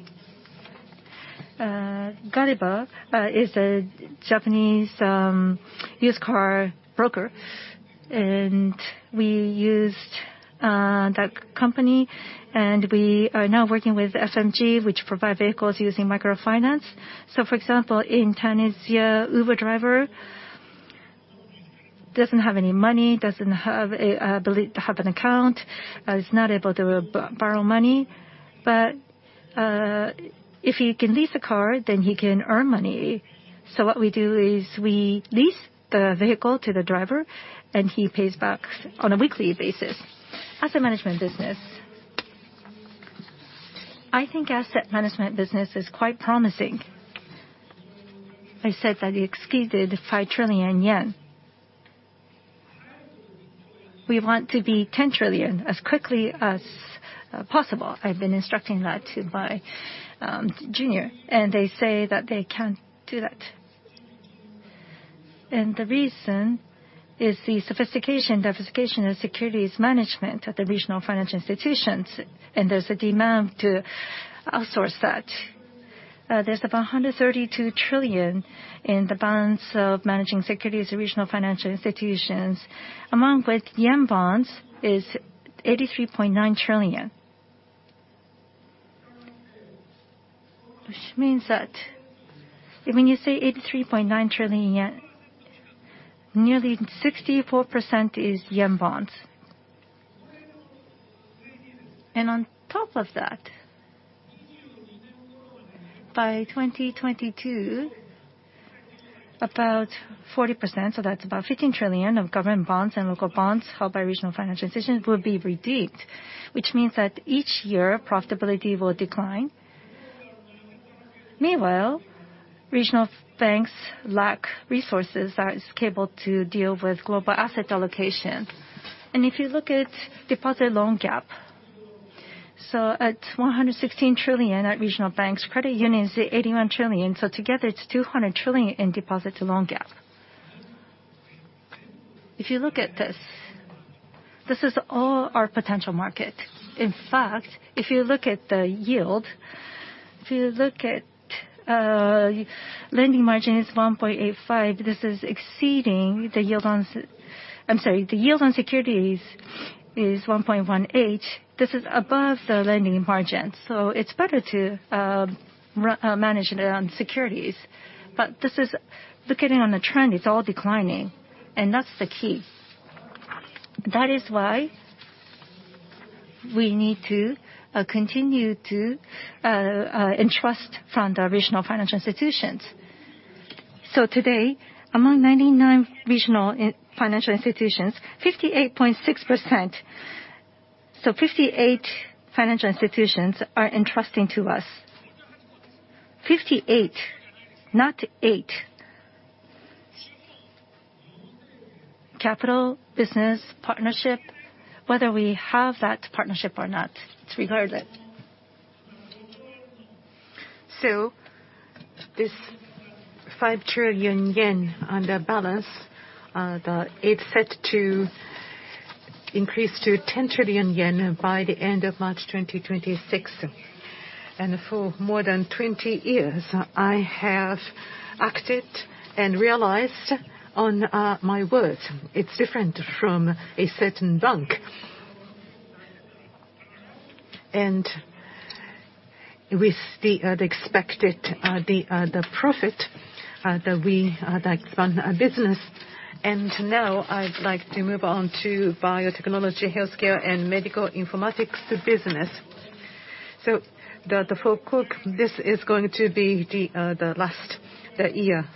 Gulliver is a Japanese used car broker, and we used that company, and we are now working with SMG, which provide vehicles using microfinance. For example, in Tunisia, an Uber driver doesn't have any money, doesn't have the ability to have an account, is not able to borrow money. If he can lease a car, then he can earn money. What we do is we lease the vehicle to the driver, and he pays back on a weekly basis. Asset management business. I think asset management business is quite promising. I said that we exceeded 5 trillion yen. We want to be 10 trillion as quickly as possible. I've been instructing that to my junior, and they say that they can do that. The reason is the sophistication and diversification of securities management at the regional financial institutions, and there's a demand to outsource that. There's about 132 trillion in the balance of managing securities regional financial institutions, among which yen bonds is 83.9 trillion. Which means that when you say 83.9 trillion yen, nearly 64% is yen bonds. On top of that, by 2022, about 40%, so that's about 15 trillion of government bonds and local bonds held by regional financial institutions will be redeemed, which means that each year profitability will decline. Meanwhile, regional banks lack resources that is capable to deal with global asset allocation. If you look at deposit loan gap, so at 116 trillion at regional banks, credit unions is at 81 trillion, so together it's 200 trillion in deposit to loan gap. If you look at this is all our potential market. In fact, if you look at the yield, lending margin is 1.85%. This is exceeding the yield on securities. is 1.18%. This is above the lending margin, so it's better to manage it on securities. Looking on the trend, it's all declining, and that's the key. That is why we need to continue to entrust from the regional financial institutions. Today, among 99 regional financial institutions, 58.6%, so 58 financial institutions are entrusting to us. 58, not eight. Capital business partnership, whether we have that partnership or not, it's required it. This 5 trillion yen under balance, it's set to increase to 10 trillion yen by the end of March 2026. For more than 20 years, I have acted and realized on my word. It's different from a certain bank. With the expected profit that we like to fund our business. Now I'd like to move on to biotechnology, healthcare, and medical informatics business. This is going to be the last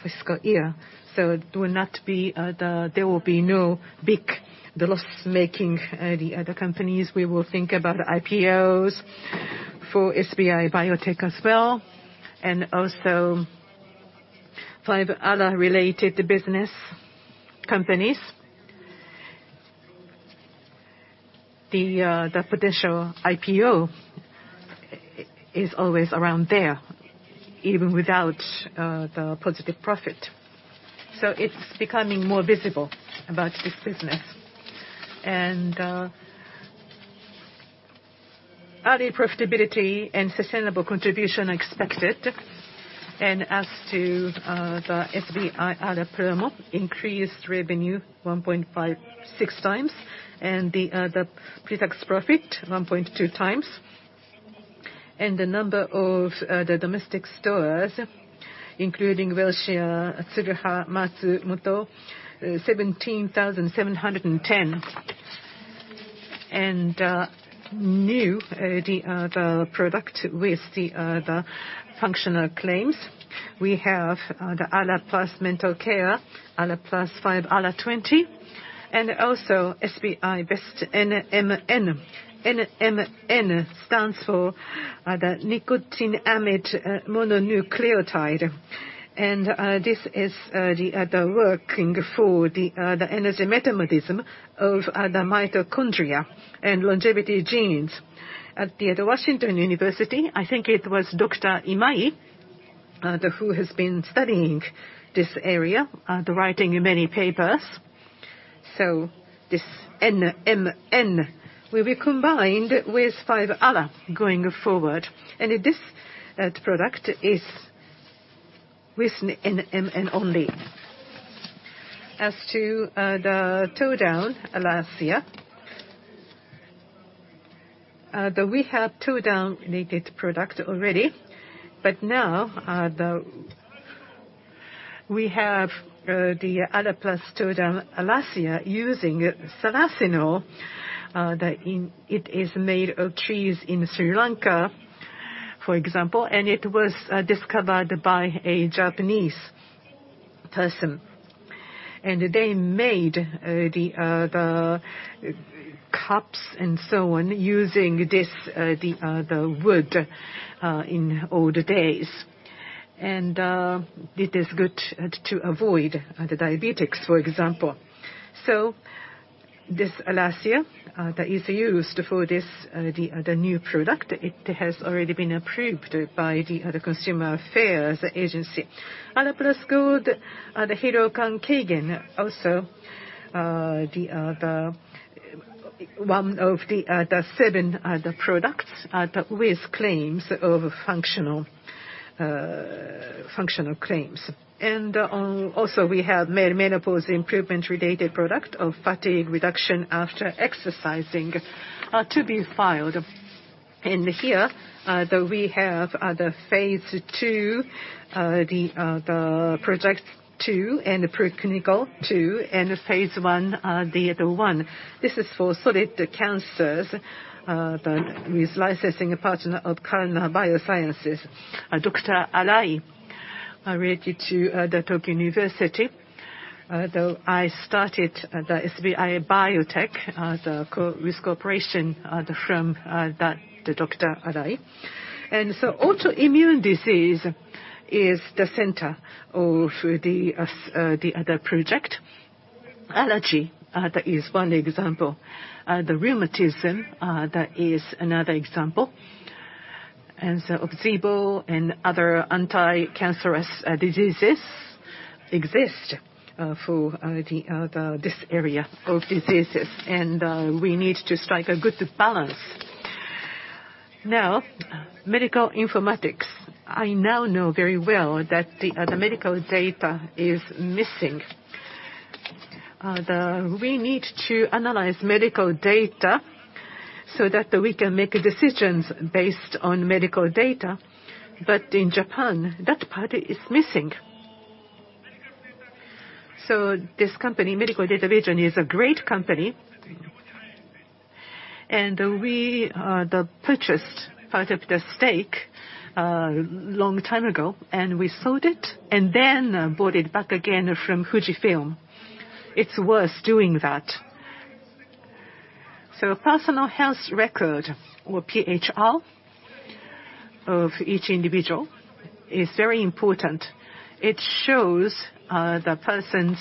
fiscal year. It will not be. There will be no big loss-making other companies. We will think about IPOs for SBI Biotech as well, and also five other related business companies. The potential IPO is always around there, even without the positive profit. It's becoming more viable about this business. Early profitability and sustainable contribution expected. As to the SBI ALA Premium, increased revenue 1.56x, and the pre-tax profit 1.2x. The number of domestic stores, including Welcia, Tsuruha, Matsumotokiyoshi, 17,710. New products with the functional claims. We have the ALA Plus Mental Care, ALA Plus 5, ALAPlus 20, and also SBI Best NMN. NMN stands for the nicotinamide mononucleotide. This is the working for the energy metabolism of the mitochondria and longevity genes. At Washington University, I think it was Dr. Imai who has been studying this area, writing many papers. This NMN will be combined with 5-ALA going forward. This product is with NMN only. As to the todan alasia, we have todan-related product already. Now we have the ALA Plus Todan Alasia using celastrol. It is made of trees in Sri Lanka, for example, and it was discovered by a Japanese person. They made the caps and so on using this wood in old days. It is good to avoid diabetes, for example. This Alasia that is used for this new product has already been approved by the Consumer Affairs Agency. ALA Plus Gold, the Hirōkan Keigen also, one of the seven products that with claims of functional claims. Also we have menopause improvement related product of fatigue reduction after exercising to be filed. Here we have the phase II, the project II and preclinical II, and phase I, the I. This is for solid cancers, with licensing partner of Karuna Biosciences. Dr. Arai related to the University of Tokyo. I started the SBI Biotech with cooperation from that, the Dr. Arai. Autoimmune disease is the center of the other project. Allergy that is one example. The rheumatism that is another example. Ozempic and other anti-cancerous diseases exist for this area of diseases. We need to strike a good balance. Now, medical informatics. I now know very well that the medical data is missing. The... We need to analyze medical data so that we can make decisions based on medical data, but in Japan, that part is missing. This company, Medical Data Vision, is a great company, and we purchased part of the stake long time ago, and we sold it and then bought it back again from FUJIFILM. It's worth doing that. Personal Health Record, or PHR, of each individual is very important. It shows the person's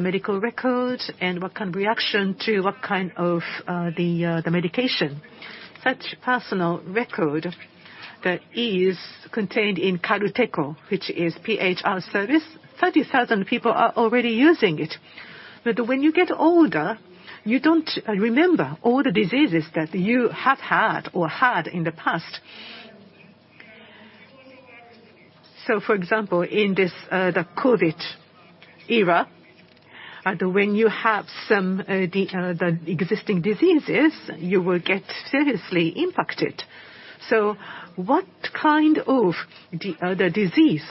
medical records and what kind of reaction to what kind of medication. Such personal record that is contained in Karuteko, which is PHR service, 30,000 people are already using it. When you get older, you don't remember all the diseases that you have had in the past. For example, in the COVID era, when you have some existing diseases, you will get seriously impacted. What kind of disease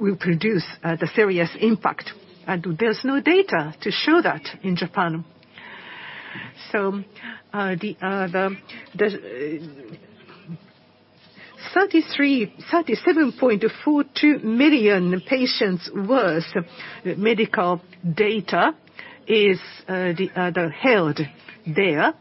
will produce the serious impact? There's no data to show that in Japan. The 33.742 million patients' worth of medical data is held there.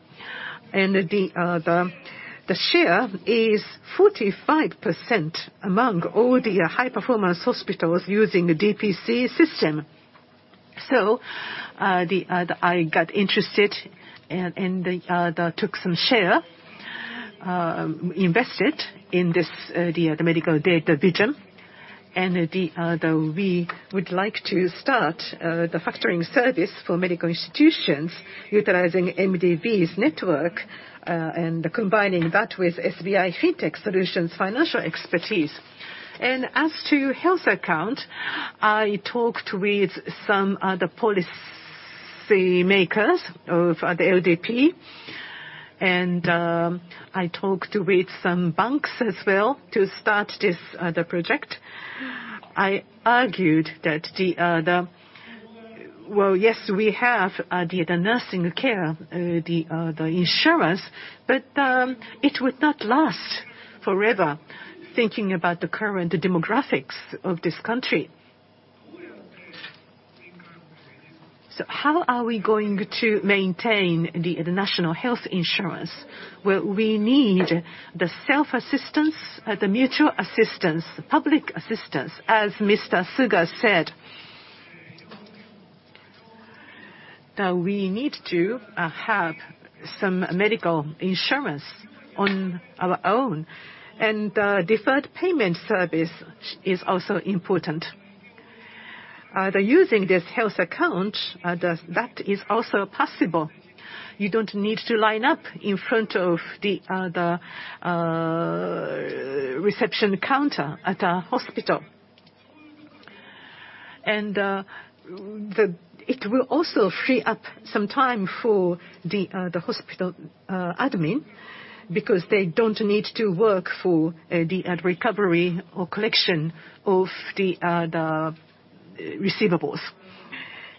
The share is 45% among all the high-performance hospitals using DPC system. I got interested and took some share, invested in the Medical Data Vision. We would like to start the factoring service for medical institutions utilizing MDV's network, and combining that with SBI FinTech Solutions' financial expertise. As to health account, I talked with some policymakers of the LDP, and I talked with some banks as well to start this project. I argued that well, yes, we have the nursing care insurance, but it would not last forever, thinking about the current demographics of this country. How are we going to maintain the national health insurance? Well, we need the self-assistance, the mutual assistance, public assistance, as Mr. Suga said. Now, we need to have some medical insurance on our own, and deferred payment service is also important. Using this health account, that is also possible. You don't need to line up in front of the reception counter at a hospital. It will also free up some time for the hospital admin because they don't need to work for the recovery or collection of the receivables.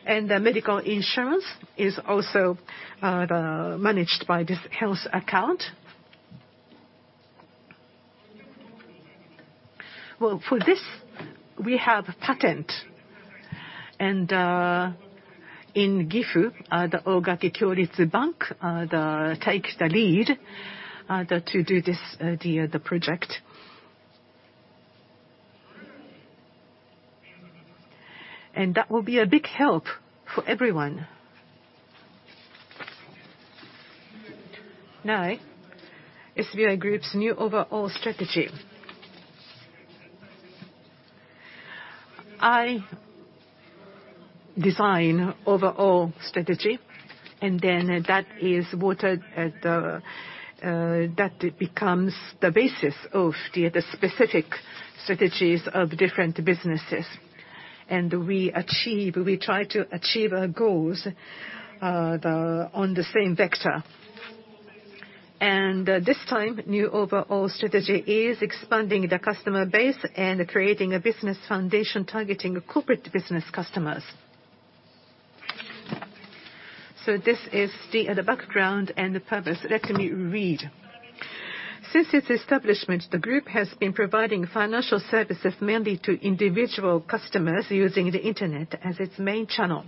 The medical insurance is also managed by this health account. Well, for this, we have a patent. In Gifu, the Ogaki Kyoritsu Bank takes the lead to do this project. That will be a big help for everyone. Now, SBI Group's new overall strategy. I design overall strategy, and then that is what that becomes the basis of the specific strategies of different businesses. We try to achieve our goals on the same vector. This time, new overall strategy is expanding the customer base and creating a business foundation targeting corporate business customers. This is the background and the purpose. Let me read. Since its establishment, the group has been providing financial services mainly to individual customers using the internet as its main channel.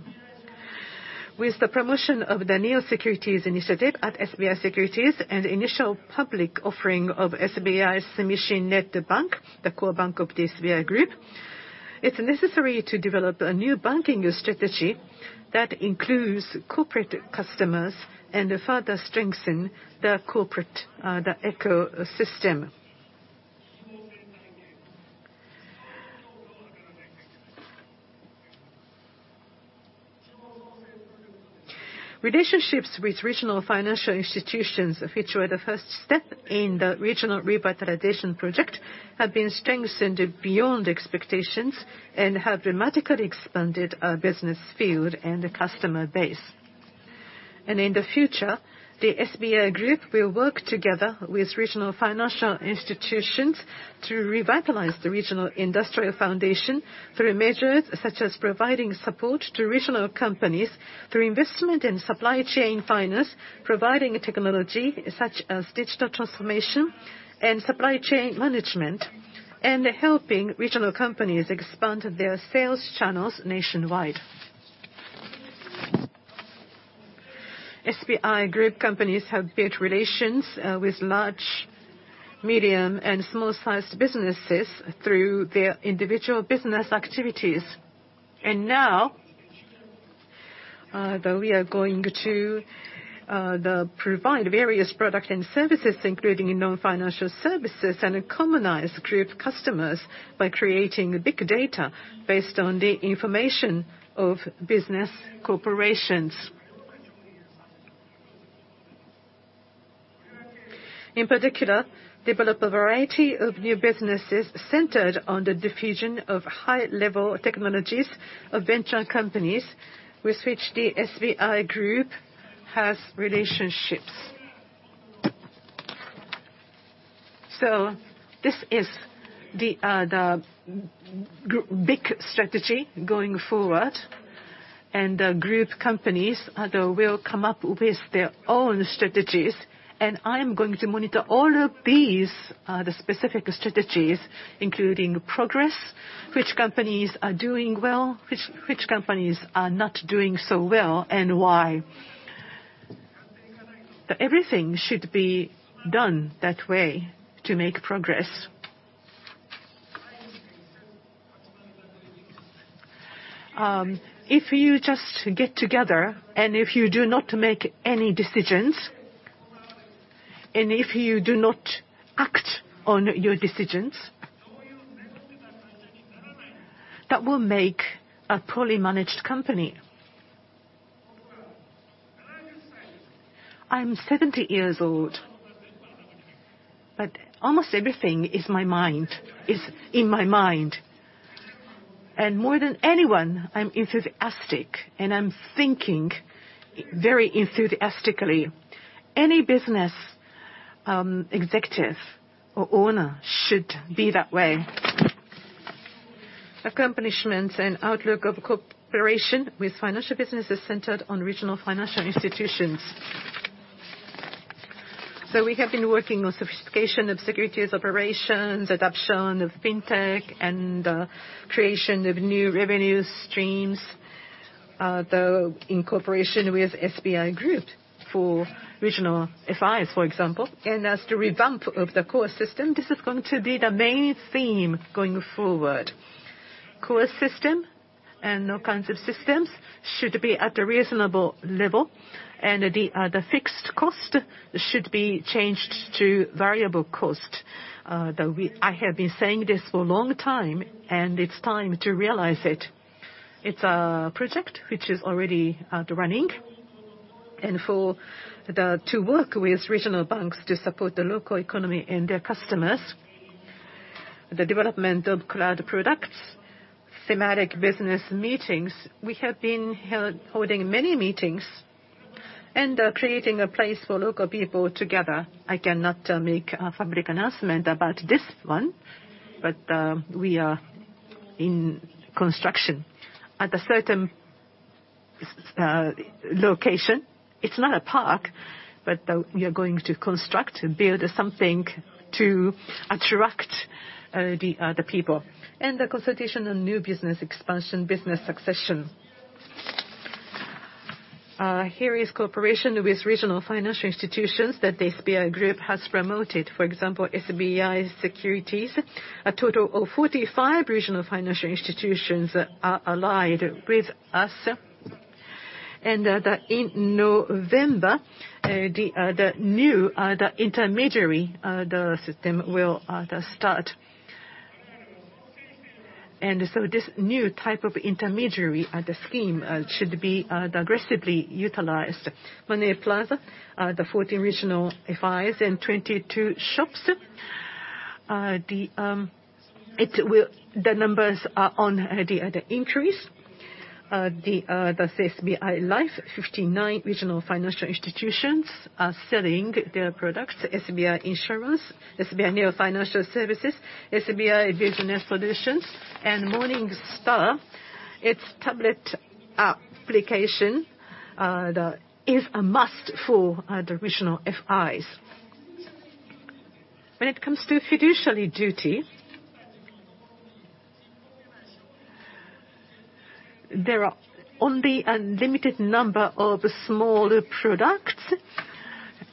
With the promotion of the NEO Securities initiative at SBI Securities and initial public offering of SBI Sumishin Net Bank, the core bank of the SBI Group, it's necessary to develop a new banking strategy that includes corporate customers and further strengthen the corporate ecosystem. Relationships with regional financial institutions, which were the first step in the regional revitalization project, have been strengthened beyond expectations, and have dramatically expanded our business field and customer base. In the future, the SBI Group will work together with regional financial institutions to revitalize the regional industrial foundation through measures such as providing support to regional companies through investment in supply chain finance, providing technology such as digital transformation and supply chain management, and helping regional companies expand their sales channels nationwide. SBI Group companies have built relations with large, medium, and small-sized businesses through their individual business activities. Now, we are going to provide various products and services, including non-financial services, and commonize group customers by creating big data based on the information of business corporations. In particular, we will develop a variety of new businesses centered on the diffusion of high-level technologies of venture companies with which the SBI Group has relationships. This is the big strategy going forward, and group companies they will come up with their own strategies, and I am going to monitor all of these the specific strategies, including progress, which companies are doing well, which companies are not doing so well, and why. Everything should be done that way to make progress. If you just get together, and if you do not make any decisions, and if you do not act on your decisions, that will make a poorly managed company. I'm 70 years old, but almost everything is in my mind. More than anyone, I'm enthusiastic, and I'm thinking very enthusiastically. Any business executive or owner should be that way. Accomplishments and outlook of cooperation with financial businesses centered on regional financial institutions. We have been working on sophistication of securities operations, adoption of fintech, and creation of new revenue streams, though in cooperation with SBI Group for regional FIs, for example. As to revamp of the core system, this is going to be the main theme going forward. Core system and all kinds of systems should be at a reasonable level, and the fixed cost should be changed to variable cost. I have been saying this for a long time, and it's time to realize it. It's a project which is already running. To work with regional banks to support the local economy and their customers, the development of cloud products, thematic business meetings, we have been holding many meetings and creating a place for local people together. I cannot make a public announcement about this one, but we are in construction. At a certain location, it's not a park, but we are going to construct and build something to attract the people. The consultation on new business expansion, business succession. Here is cooperation with regional financial institutions that the SBI Group has promoted. For example, SBI Securities, a total of 45 regional financial institutions are allied with us. In November, the new intermediary system will start. This new type of intermediary scheme should be aggressively utilized. Money Plaza, the 14 regional FIs and 22 shops, the numbers are on the increase. The SBI Life, 59 regional financial institutions are selling their products. SBI Insurance, SBI Neo Financial Services, SBI Business Solutions, and Morningstar, its tablet application, is a must for the regional FIs. When it comes to fiduciary duty, there are only a limited number of small products,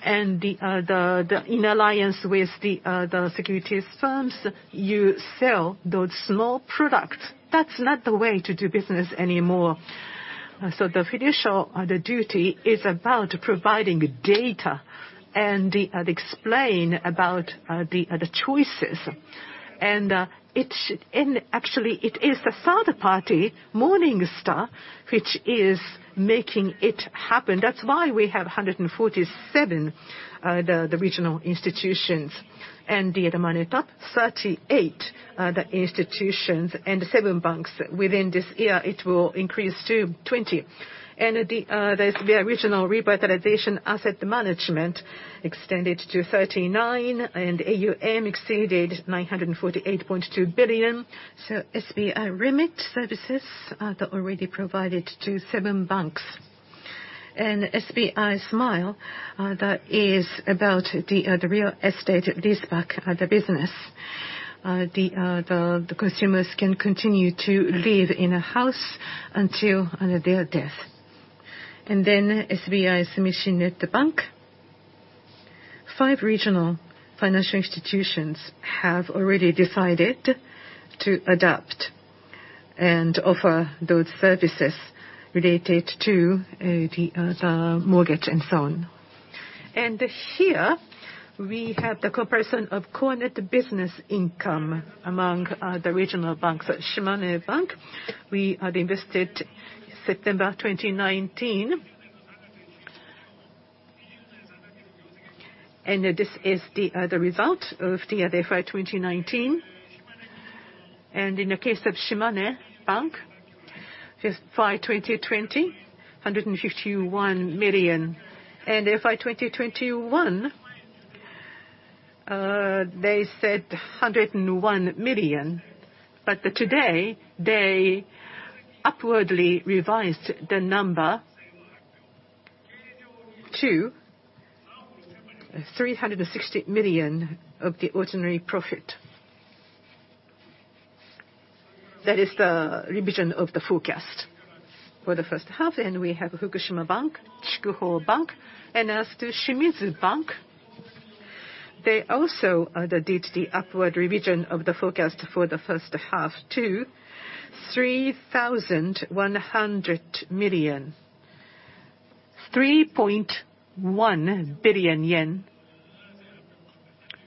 and in alliance with the securities firms, you sell those small products. That's not the way to do business anymore. The fiduciary duty is about providing data and explain about the choices. Actually it is the third party, Morningstar, which is making it happen. That's why we have 147 regional institutions and the more than 38 institutions and seven banks. Within this year, it will increase to 20. SBI Regional Revitalization Asset Management extended to 39, and AUM exceeded 948.2 billion. SBI Remit services, they're already provided to seven banks. SBI Smile, that is about the real estate leaseback business. The consumers can continue to live in a house until their death. SBI Sumishin Net Bank, 5 regional financial institutions have already decided to adopt and offer those services related to the mortgage and so on. Here we have the comparison of core net business income among the regional banks. At Shimane Bank, we invested September 2019. This is the result of the other FY 2019. In the case of Shimane Bank, FY 2020, 151 million. FY 2021, they said 101 million. But today, they upwardly revised the number to 360 million of the ordinary profit. That is the revision of the forecast for the first half. We have Fukushima Bank, Chikuho Bank, and as to Shimizu Bank, they also did the upward revision of the forecast for the first half to 3.1 billion yen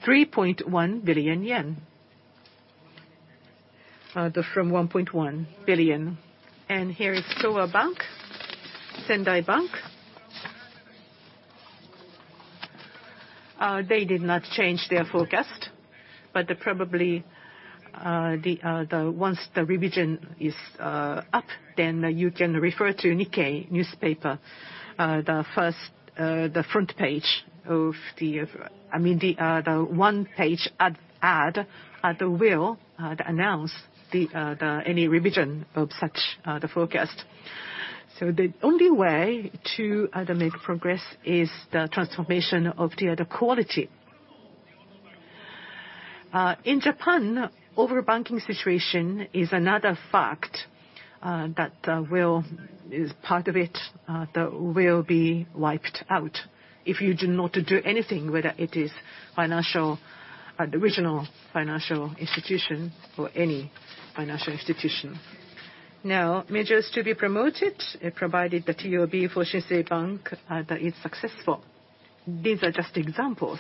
from 1.1 billion. Here is Kiyo Bank, Sendai Bank. They did not change their forecast, but probably, once the revision is up, then you can refer to Nikkei newspaper, the front page of the, I mean, the one-page ad that will announce any revision of such forecast. The only way to make progress is the transformation of the quality. In Japan, overbanking situation is another fact that is part of it that will be wiped out if you do not do anything, whether it is financial the regional financial institution or any financial institution. Measures to be promoted, provided the TOB for Shinsei Bank that is successful. These are just examples.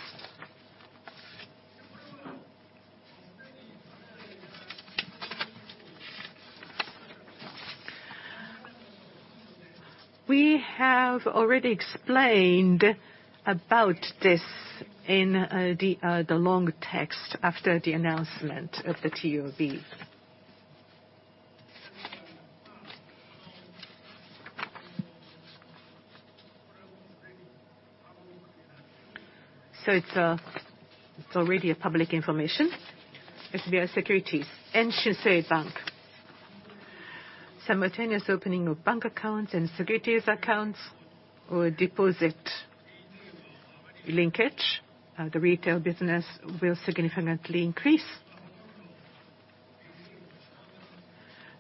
We have already explained about this in the long text after the announcement of the TOB. It's already public information. SBI Securities and Shinsei Bank simultaneous opening of bank accounts and securities accounts or deposit linkage, the retail business will significantly increase.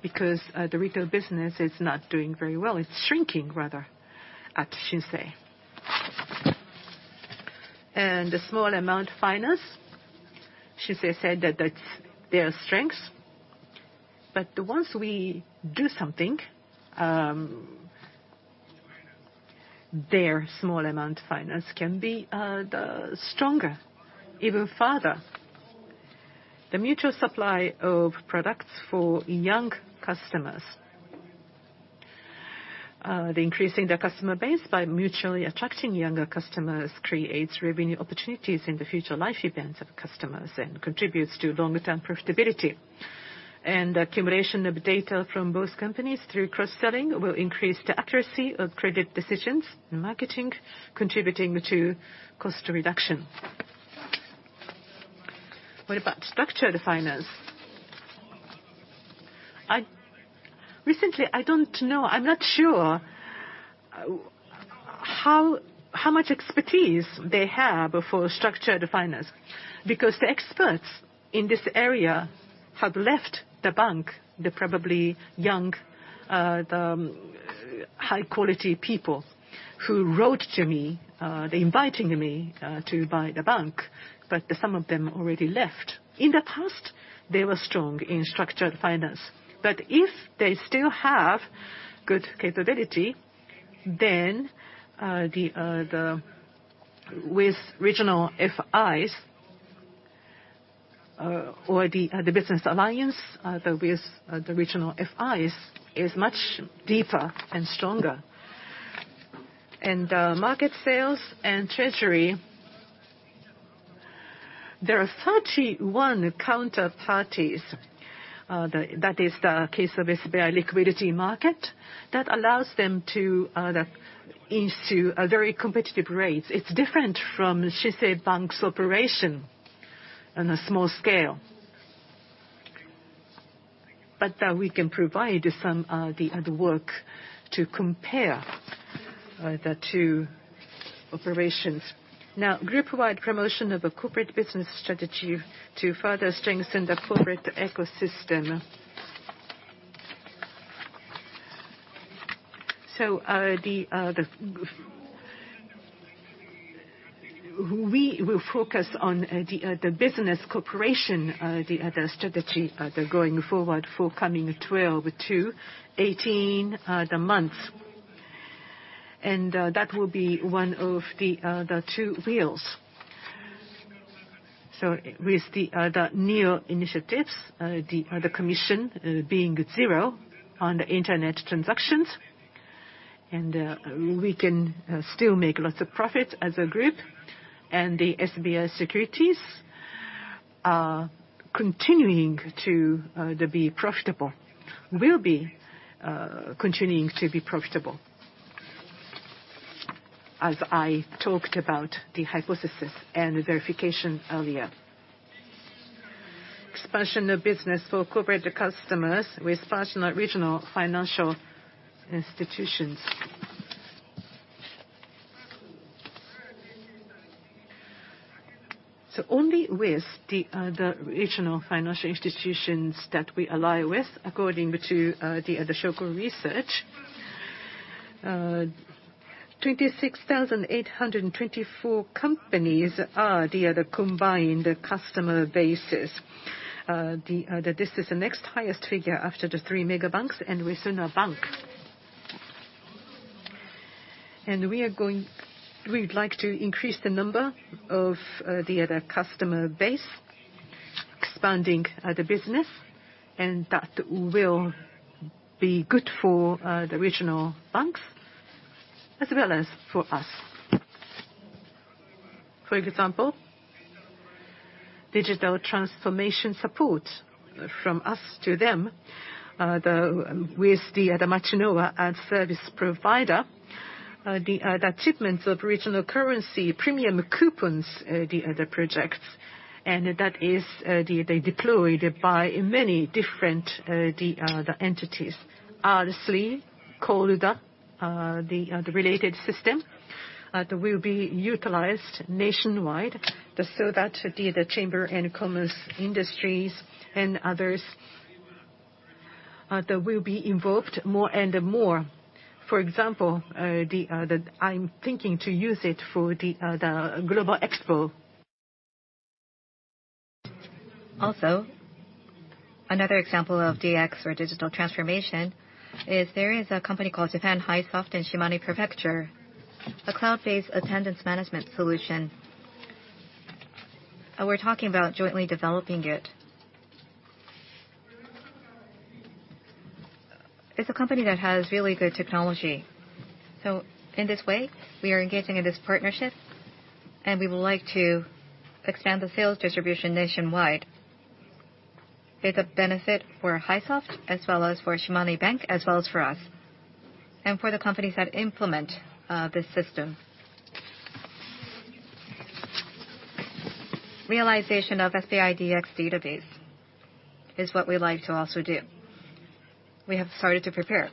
The retail business is not doing very well. It's shrinking rather at Shinsei. The small amount finance, Shinsei said that that's their strength. Once we do something, their small amount finance can be even stronger. The mutual supply of products for young customers. Increasing their customer base by mutually attracting younger customers creates revenue opportunities in the future life events of customers and contributes to longer-term profitability. Accumulation of data from both companies through cross-selling will increase the accuracy of credit decisions in marketing, contributing to cost reduction. What about structured finance? Recently, I don't know, I'm not sure how much expertise they have for structured finance, because the experts in this area have left the bank, the probably young, the high-quality people who wrote to me, inviting me, to buy the bank, but some of them already left. In the past, they were strong in structured finance. If they still have good capability, then with regional FIs, or the business alliance, the with the regional FIs is much deeper and stronger. Market sales and treasury, there are 31 counterparties, that is the case of SBI Liquidity Market, that allows them to deal into very competitive rates. It's different from Shinsei Bank's operation on a small scale. We can provide some other work to compare the two operations. Now, group-wide promotion of a corporate business strategy to further strengthen the corporate ecosystem. We will focus on the corporate business strategy going forward for the coming 12 months to 18 months. That will be one of the two wheels. With the new initiatives, the commission being zero on the internet transactions, and we can still make lots of profit as a group. SBI Securities will continue to be profitable, as I talked about the hypothesis and verification earlier. Expansion of business for corporate customers with regional financial institutions. Only with the regional financial institutions that we ally with according to the Tokyo Shoko Research, 26,824 companies are the combined customer bases. The size is the next highest figure after the three megabanks and within a bank. We'd like to increase the number of the other customer base expanding the business, and that will be good for the regional banks as well as for us. For example, digital transformation support from us to them with the Machinowa as service provider, the shipments of regional currency premium coupons, the projects, and that is they deployed by many different the entities. R3, Corda, the related system that will be utilized nationwide, so that the chamber of commerce, industries and others that will be involved more and more. For example, I'm thinking to use it for the Global Expo. Another example of DX or digital transformation is. There is a company called Japan High Soft in Shimane Prefecture, a cloud-based attendance management solution. We're talking about jointly developing it. It's a company that has really good technology. In this way, we are engaging in this partnership, and we would like to expand the sales distribution nationwide. It's a benefit for High Soft as well as for Shimane Bank, as well as for us, and for the companies that implement this system. Realization of SBI DX database is what we'd like to also do. We have started to prepare.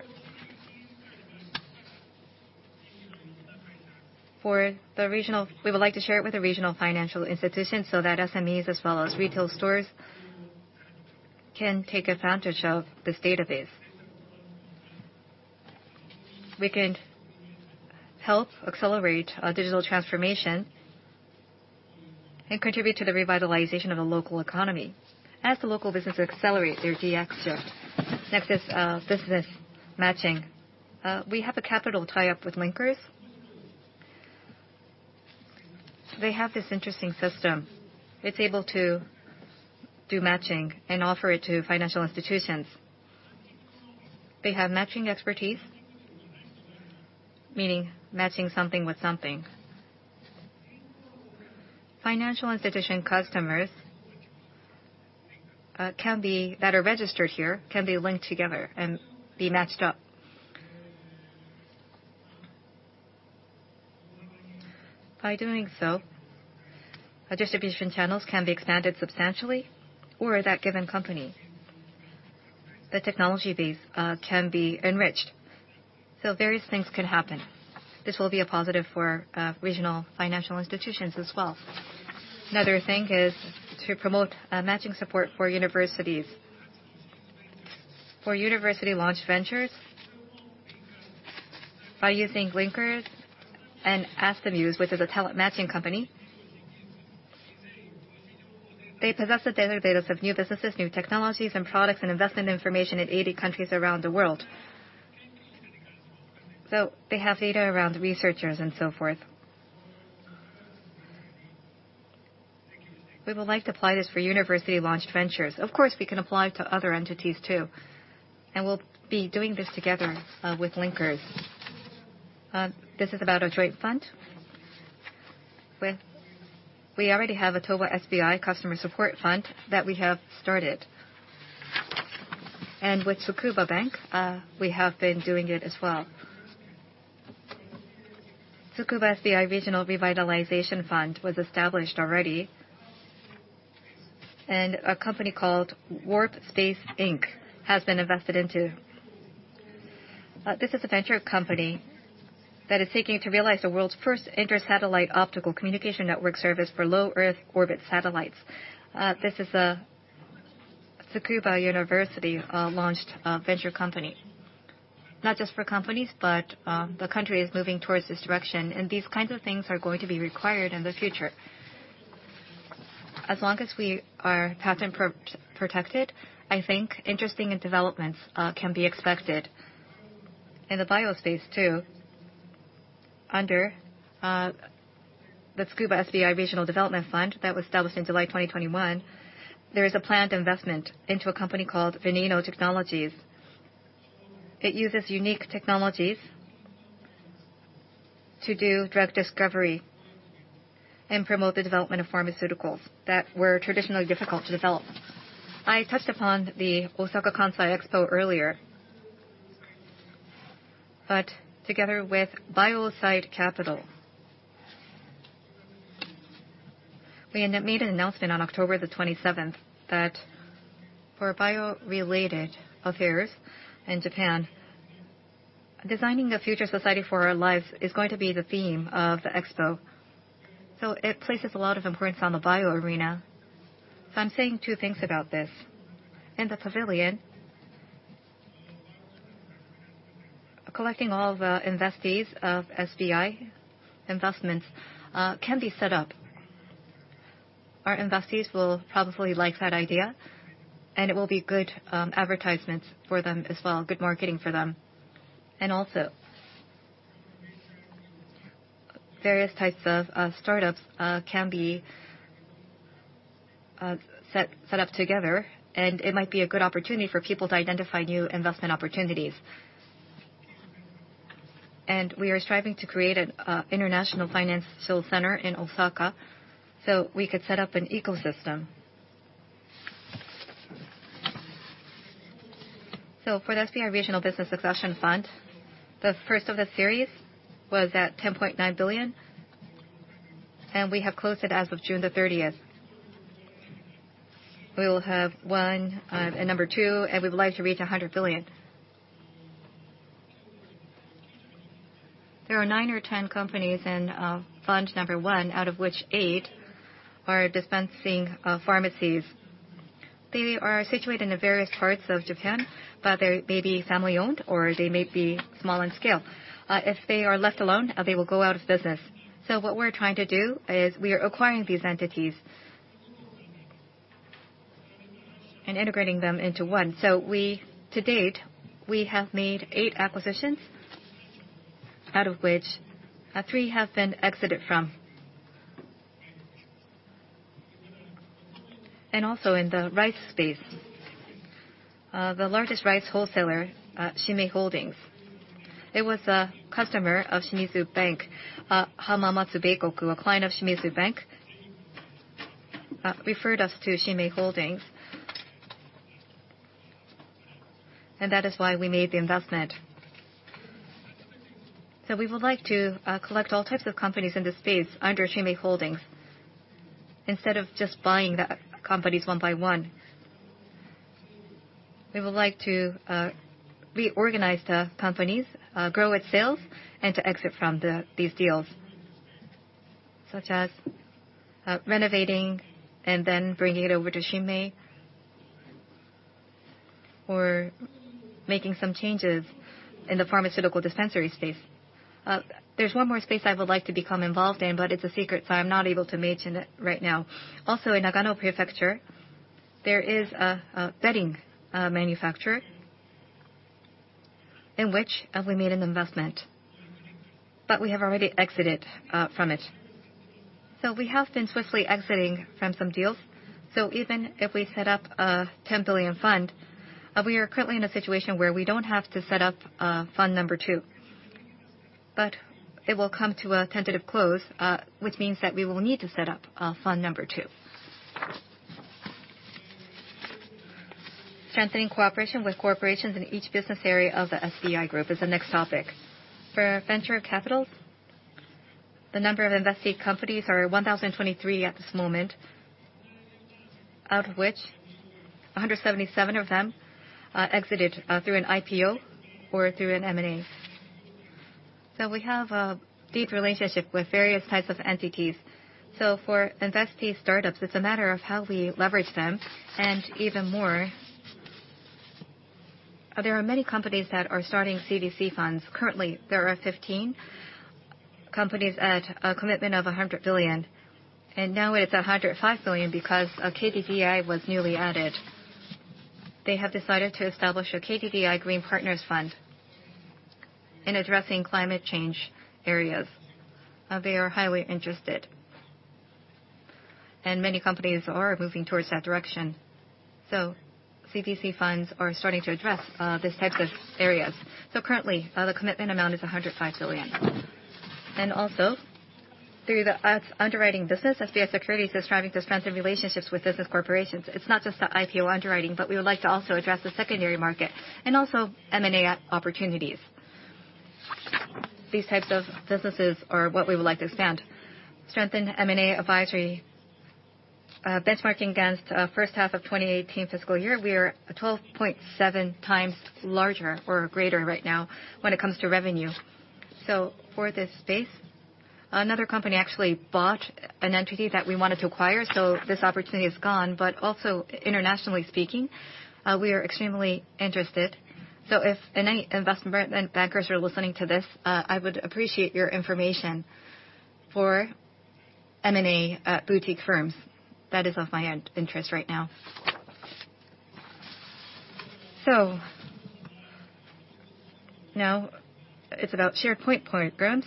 We would like to share it with the regional financial institutions so that SMEs as well as retail stores can take advantage of this database. We can help accelerate digital transformation and contribute to the revitalization of the local economy. As the local businesses accelerate their DX journey. Next is business matching. We have a capital tie-up with Linkers. They have this interesting system. It's able to do matching and offer it to financial institutions. They have matching expertise, meaning matching something with something. Financial institution customers that are registered here can be linked together and be matched up. By doing so, our distribution channels can be expanded substantially or that given company, the technology base, can be enriched. Various things could happen. This will be a positive for regional financial institutions as well. Another thing is to promote matching support for universities. For university launch ventures by using Linkers and Astemius, which is a talent matching company. They possess a database of new businesses, new technologies, and products and investment information in 80 countries around the world. They have data around researchers and so forth. We would like to apply this for university-launched ventures. Of course, we can apply to other entities too, and we'll be doing this together with Linkers. This is about a joint fund where we already have a Toho SBI Customer Support Fund that we have started. With Tsukuba Bank, we have been doing it as well. Tsukuba SBI Regional Revitalization Fund was established already, and a company called WARPSPACE Co., Ltd. has been invested into. This is a venture company that is seeking to realize the world's first intersatellite optical communication network service for low Earth orbit satellites. This is a University of Tsukuba launched venture company. Not just for companies, but the country is moving towards this direction, and these kinds of things are going to be required in the future. As long as we are patent protected, I think interesting developments can be expected. In the bio space too, under the Tsukuba SBI Regional Revitalization Fund that was established in July 2021, there is a planned investment into a company called Veneno Technologies. It uses unique technologies to do drug discovery and promote the development of pharmaceuticals that were traditionally difficult to develop. I touched upon the Osaka Kansai Expo earlier. Together with Biocide Capital, we announced an announcement on October the 27th that for bio-related affairs in Japan, designing the future society for our lives is going to be the theme of the expo. It places a lot of importance on the bio arena. I'm saying two things about this. In the pavilion, collecting all the investees of SBI Investment can be set up. Our investees will probably like that idea, and it will be good advertisements for them as well, good marketing for them. Also, various types of startups can be set up together, and it might be a good opportunity for people to identify new investment opportunities. We are striving to create an international financial center in Osaka, so we could set up an ecosystem. For the SBI Regional Business Succession Fund, the first of the series was at 10.9 billion, and we have closed it as of June 30. We will have one and number two, and we'd like to reach 100 billion. There are nine or 10 companies in fund number one, out of which eight are dispensing pharmacies. They are situated in the various parts of Japan, but they may be family-owned, or they may be small in scale. If they are left alone, they will go out of business. What we're trying to do is we are acquiring these entities and integrating them into one. We, to date, we have made eight acquisitions, out of which, three have been exited from. Also in the rice space, the largest rice wholesaler, Shinmei Holdings, it was a customer of Shimizu Bank. Hamamatsu Beikoku, a client of Shimizu Bank, referred us to Shinmei Holdings. That is why we made the investment. We would like to collect all types of companies in this space under Shinmei Holdings instead of just buying the companies one by one. We would like to reorganize the companies, grow its sales, and to exit from these deals, such as renovating and then bringing it over to Shinmei or making some changes in the pharmaceutical dispensary space. There's one more space I would like to become involved in, but it's a secret, so I'm not able to mention it right now. Also in Nagano Prefecture, there is a bedding manufacturer in which we made an investment, but we have already exited from it. We have been swiftly exiting from some deals. Even if we set up a 10 billion fund, we are currently in a situation where we don't have to set up fund number two. But it will come to a tentative close, which means that we will need to set up fund number two. Strengthening cooperation with corporations in each business area of the SBI Group is the next topic. For venture capital, the number of investee companies are 1,023 at this moment, out of which 177 of them exited through an IPO or through an M&A. We have a deep relationship with various types of entities. For investee startups, it's a matter of how we leverage them and even more. There are many companies that are starting CVC funds. Currently, there are 15 companies at a commitment of 100 billion, and now it's 105 billion because KDDI was newly added. They have decided to establish a KDDI Green Partners Fund in addressing climate change areas. They are highly interested, and many companies are moving towards that direction. CVC funds are starting to address these types of areas. Currently, the commitment amount is 105 billion. Through the securities underwriting business, SBI Securities is striving to strengthen relationships with business corporations. It's not just the IPO underwriting, but we would like to also address the secondary market and also M&A opportunities. These types of businesses are what we would like to expand. Strengthen M&A advisory. Benchmarking against first half of 2018 fiscal year, we are 12.7x larger or greater right now when it comes to revenue. For this space, another company actually bought an entity that we wanted to acquire, so this opportunity is gone. Also, internationally speaking, we are extremely interested. If any investment bankers are listening to this, I would appreciate your information for M&A boutique firms. That is of my interest right now. Now it's about shared point programs.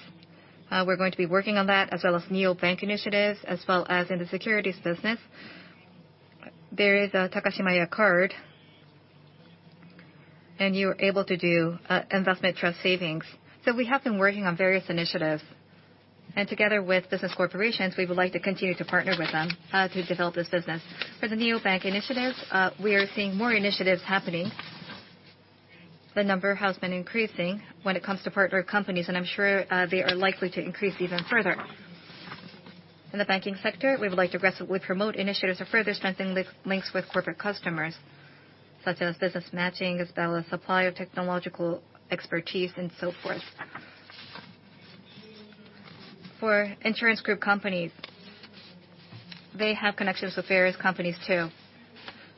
We're going to be working on that as well as NEOBANK initiatives, as well as in the securities business. There is a Takashimaya card. You're able to do investment trust savings. We have been working on various initiatives, and together with business corporations, we would like to continue to partner with them to develop this business. For the NEOBANK initiatives, we are seeing more initiatives happening. The number has been increasing when it comes to partner companies, and I'm sure they are likely to increase even further. In the banking sector, we would like to aggressively promote initiatives to further strengthen links with corporate customers, such as business matching as well as supply of technological expertise and so forth. For insurance group companies, they have connections with various companies too.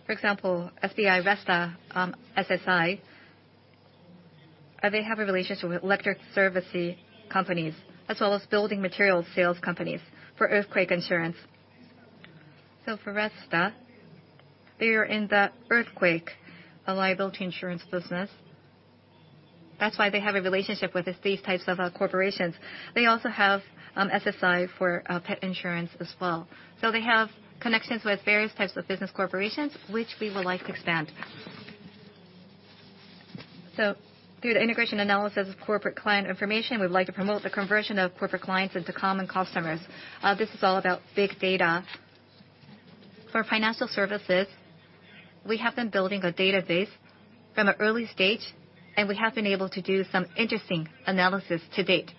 For example, SBI Resta, SSI, they have a relationship with electric service companies as well as building material sales companies for earthquake insurance. For Resta, they are in the earthquake liability insurance business. That's why they have a relationship with these types of corporations. They also have SSI for pet insurance as well. They have connections with various types of business corporations, which we would like to expand. Through the integration analysis of corporate client information, we'd like to promote the conversion of corporate clients into common customers. This is all about big data. For financial services, we have been building a database from an early stage, and we have been able to do some interesting analysis to date.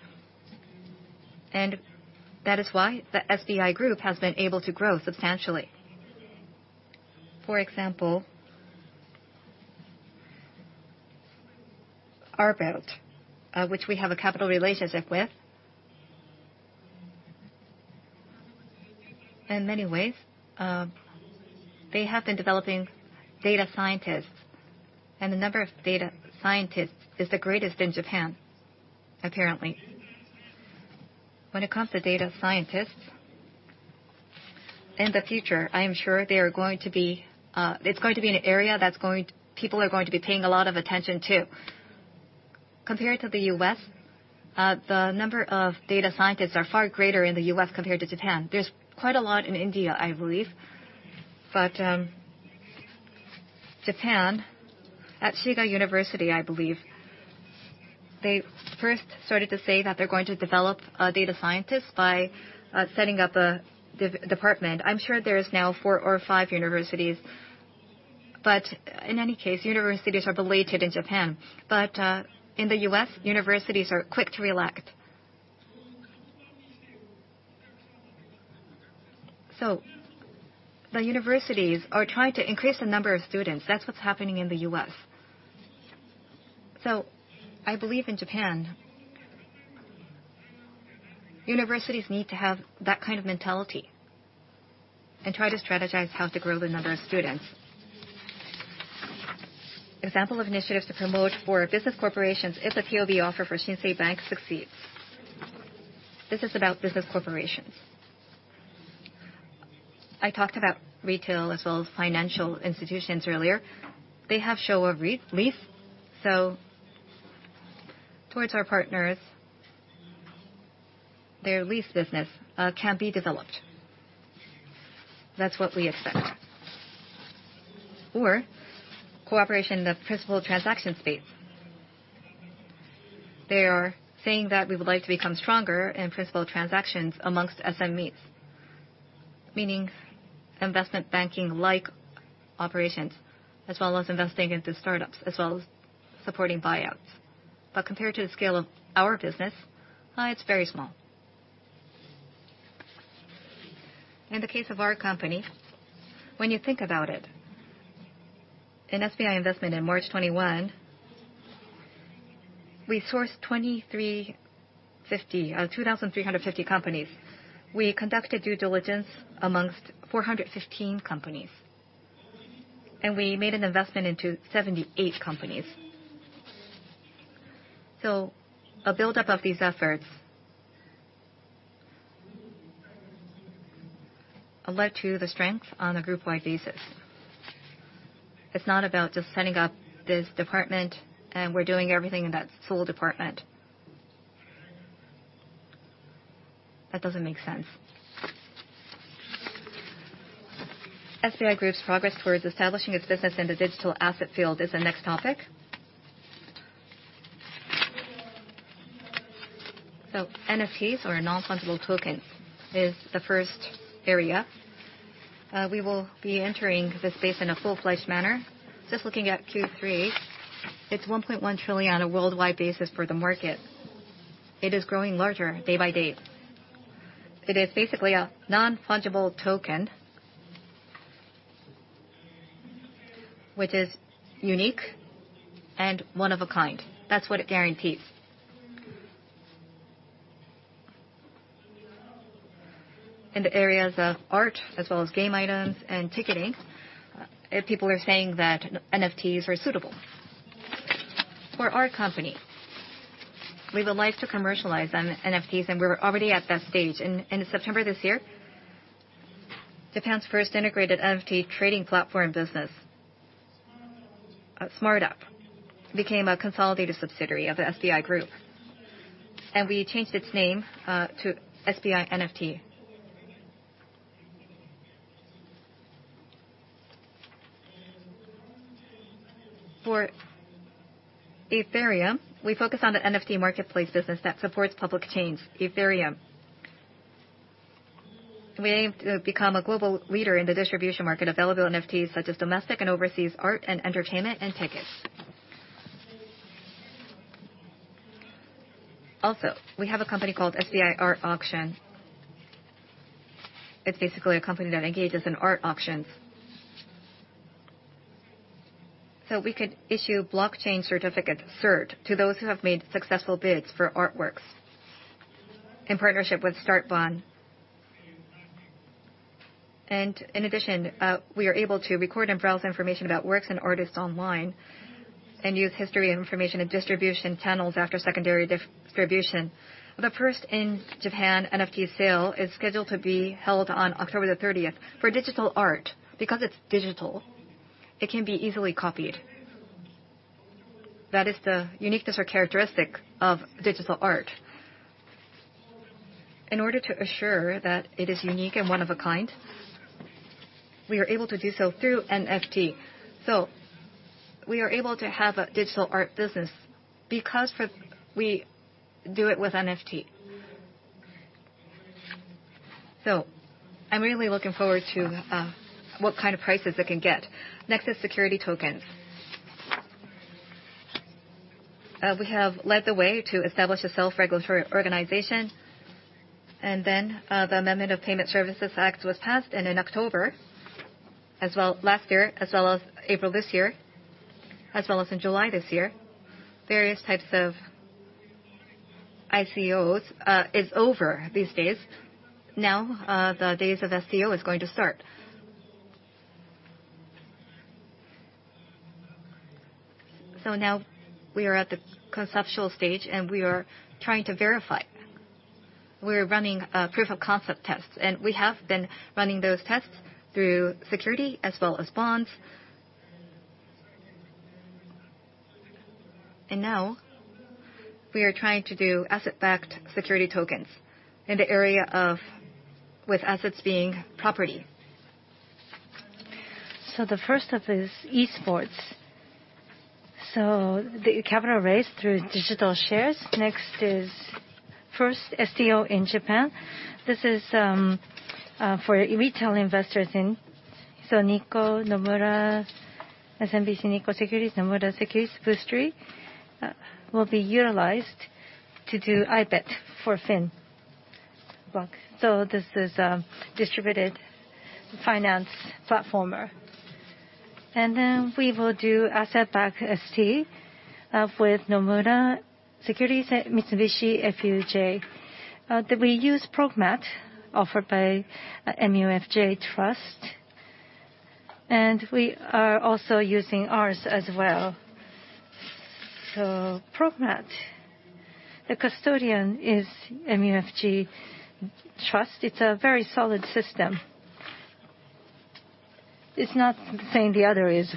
That is why the SBI Group has been able to grow substantially. For example, ALBERT, which we have a capital relationship with. In many ways, they have been developing data scientists, and the number of data scientists is the greatest in Japan, apparently. When it comes to data scientists, in the future, I am sure it's going to be an area that people are going to be paying a lot of attention to. Compared to the U.S., the number of data scientists are far greater in the U.S. compared to Japan. There's quite a lot in India, I believe. Japan, at Shiga University, I believe, they first started to say that they're going to develop data scientists by setting up a department. I'm sure there is now four or five universities. In any case, universities are belated in Japan. In the U.S., universities are quick to react. The universities are trying to increase the number of students. That's what's happening in the U.S. I believe in Japan, universities need to have that kind of mentality and try to strategize how to grow the number of students. Example of initiatives to promote for business corporations if the TOB offer for Shinsei Bank succeeds. This is about business corporations. I talked about retail as well as financial institutions earlier. They have Showa Leasing. Towards our partners, their lease business can be developed. That's what we expect. Or cooperation in the principal transaction space. They are saying that we would like to become stronger in principal transactions amongst SMEs, meaning investment banking-like operations, as well as investing into startups, as well as supporting buyouts. Compared to the scale of our business, it's very small. In the case of our company, when you think about it, in SBI Investment in March 2021, we sourced 2,350 companies. We conducted due diligence among 415 companies, and we made an investment into 78 companies. A build-up of these efforts led to the strength on a groupwide basis. It's not about just setting up this department and we're doing everything in that sole department. That doesn't make sense. SBI Group's progress towards establishing its business in the digital asset field is the next topic. NFTs or non-fungible tokens is the first area. We will be entering the space in a full-fledged manner. Just looking at Q3, it's 1.1 trillion on a worldwide basis for the market. It is growing larger day by day. It is basically a non-fungible token, which is unique and one of a kind. That's what it guarantees. In the areas of art, as well as game items and ticketing, people are saying that NFTs are suitable. For our company, we would like to commercialize on NFTs, and we're already at that stage. In September this year, Japan's first integrated NFT trading platform business, SmartApp, became a consolidated subsidiary of the SBI Group, and we changed its name to SBI NFT. For Ethereum, we focus on the NFT marketplace business that supports public chains, Ethereum. We aim to become a global leader in the distribution market available NFTs, such as domestic and overseas art and entertainment and tickets. Also, we have a company called SBI Art Auction. It's basically a company that engages in art auctions. We could issue blockchain certificate, cert, to those who have made successful bids for artworks in partnership with Startbahn. In addition, we are able to record and browse information about works and artists online and use history and information and distribution channels after secondary distribution. The first in Japan NFT sale is scheduled to be held on October the 30th. For digital art, because it's digital, it can be easily copied. That is the uniqueness or characteristic of digital art. In order to assure that it is unique and one of a kind, we are able to do so through NFT. We are able to have a digital art business because we do it with NFT. I'm really looking forward to what kind of prices it can get. Next is security tokens. We have led the way to establish a self-regulatory organization, and then the Amendment of Payment Services Act was passed. In October last year, as well as April this year, as well as in July this year, various types of ICOs are over these days. Now the days of STO are going to start. We are at the conceptual stage, and we are trying to verify. We are running proof of concept tests, and we have been running those tests through securities as well as bonds. Now we are trying to do asset-backed security tokens in the area of, with assets being property. The first one is e-Sports. The capital raised through digital shares. Next is first STO in Japan. This is for retail investors in SMBC, Nomura, SMBC Nikko Securities, Nomura Securities. BOOSTRY will be utilized to do ibet for Fin. This is a DeFi platform. We will do asset-backed STO with Nomura Securities Mitsubishi UFJ. We use Progmat, offered by MUFG Trust, and we are also using ours as well. Progmat, the custodian is MUFG Trust. It's a very solid system. It's not saying the other is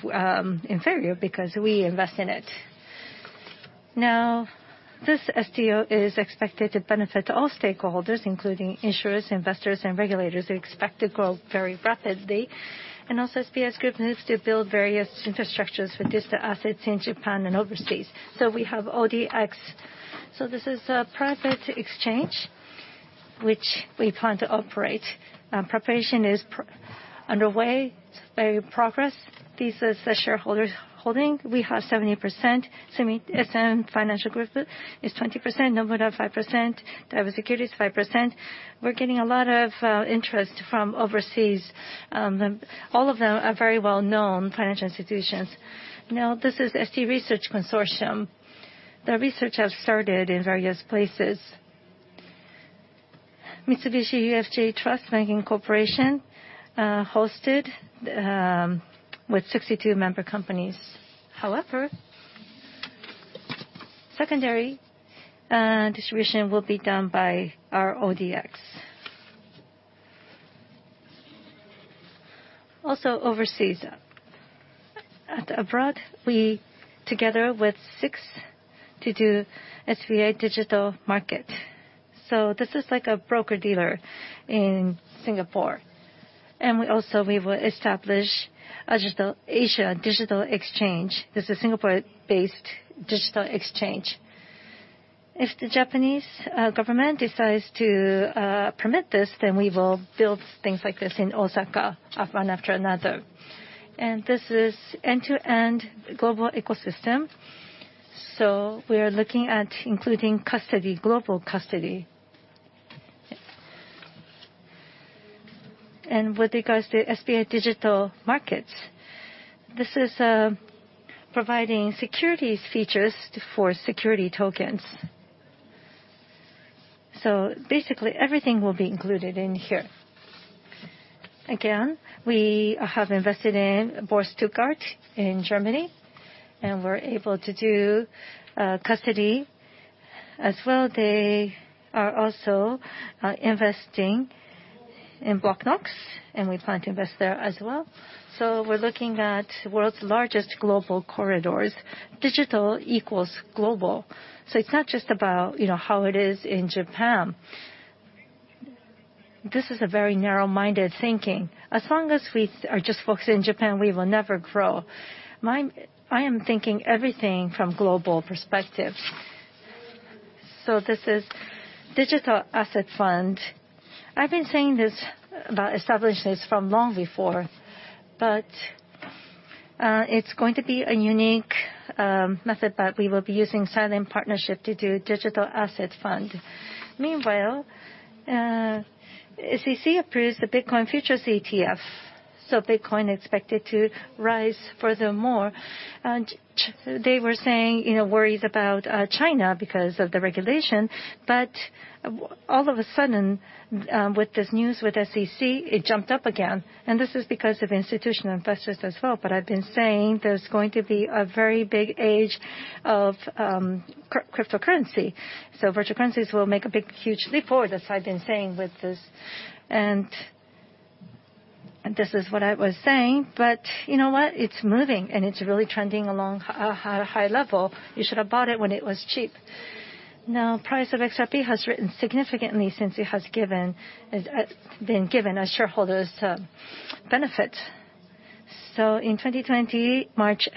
inferior because we invest in it. Now, this STO is expected to benefit all stakeholders, including insurers, investors, and regulators who expect to grow very rapidly. SBI Group needs to build various infrastructures for digital assets in Japan and overseas. We have ODX. This is a private exchange which we plan to operate, and preparation is underway. Very progress. This is the shareholders' holding. We have 70%. Sumitomo Mitsui Financial Group is 20%, Nomura 5%, Daiwa Securities 5%. We're getting a lot of interest from overseas, and all of them are very well-known financial institutions. This is ST Research Consortium. The research have started in various places. Mitsubishi UFJ Trust and Banking Corporation hosted with 62 member companies. However, secondary distribution will be done by our ODX. Also overseas, abroad, we together with SIX to do SBI Digital Markets. This is like a broker-dealer in Singapore. We will establish AsiaNext. This is Singapore-based digital exchange. If the Japanese government decides to permit this, then we will build things like this in Osaka one after another. This is end-to-end global ecosystem, so we are looking at including custody, global custody. With regards to SBI Digital Markets, this is providing securities features for security tokens. Basically everything will be included in here. Again, we have invested in Börse Stuttgart in Germany, and we're able to do custody. As well, they are also investing in Blocknox, and we plan to invest there as well. We're looking at world's largest global corridors. Digital equals global, so it's not just about, you know, how it is in Japan. This is a very narrow-minded thinking. As long as we are just focused in Japan, we will never grow. I am thinking everything from global perspective. This is digital asset fund. I've been saying this about establishing this from long before, but it's going to be a unique method that we will be using silent partnership to do digital asset fund. Meanwhile, SEC approves the Bitcoin futures ETF, so Bitcoin expected to rise furthermore. They were saying, you know, worries about China because of the regulation. But all of a sudden, with this news with SEC, it jumped up again, and this is because of institutional investors as well. I've been saying there's going to be a very big age of cryptocurrency. Virtual currencies will make a big, huge leap forward, as I've been saying with this. This is what I was saying, but you know what? It's moving, and it's really trending along a high level. You should have bought it when it was cheap. Now price of XRP has risen significantly since it has been given as shareholders benefit. In 2020, March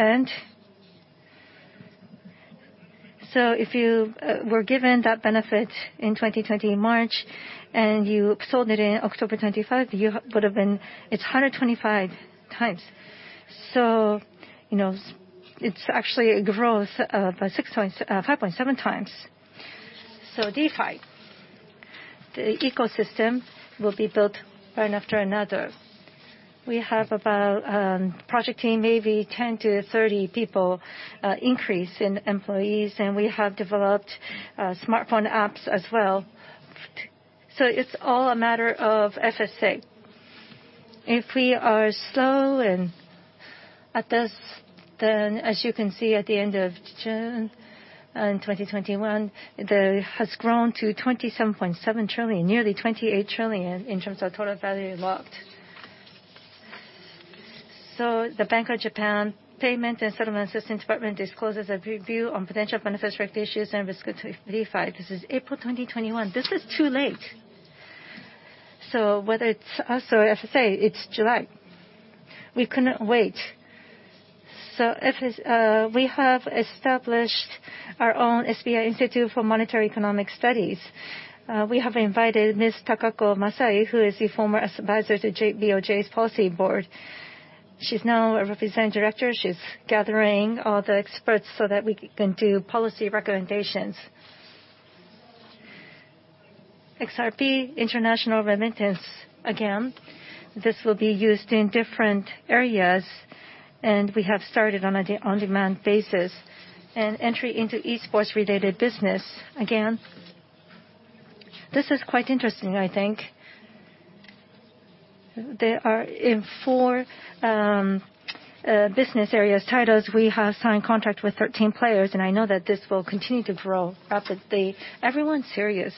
end. If you were given that benefit in 2020, March, and you sold it in October 25, you would've been. It's 125x. You know, it's actually a growth of 5.7x. DeFi, the ecosystem will be built one after another. We have about project team maybe 10 to 30 people increase in employees, and we have developed smartphone apps as well. It's all a matter of FSA. If we are slow at this, then as you can see at the end of June in 2021, DeFi has grown to $27.7 trillion, nearly $28 trillion in terms of total value locked. The Bank of Japan Payment and Settlement Systems Department discloses a review on potential benefits, risks, issues, and risks with DeFi. This is April 2021. This is too late. Whether it's us or FSA, it's July. We couldn't wait. If it's, we have established our own SBI Financial and Economic Research Institute. We have invited Ms. Takako Masai, who is the former advisor to BOJ's policy board. She's now a representative director. She's gathering all the experts so that we can do policy recommendations. XRP International Remittance, again, this will be used in different areas, and we have started on an on-demand basis. Entry into e-Sports related business, again, this is quite interesting, I think. There are four business areas titles. We have signed contract with 13 players, and I know that this will continue to grow rapidly. Everyone's serious.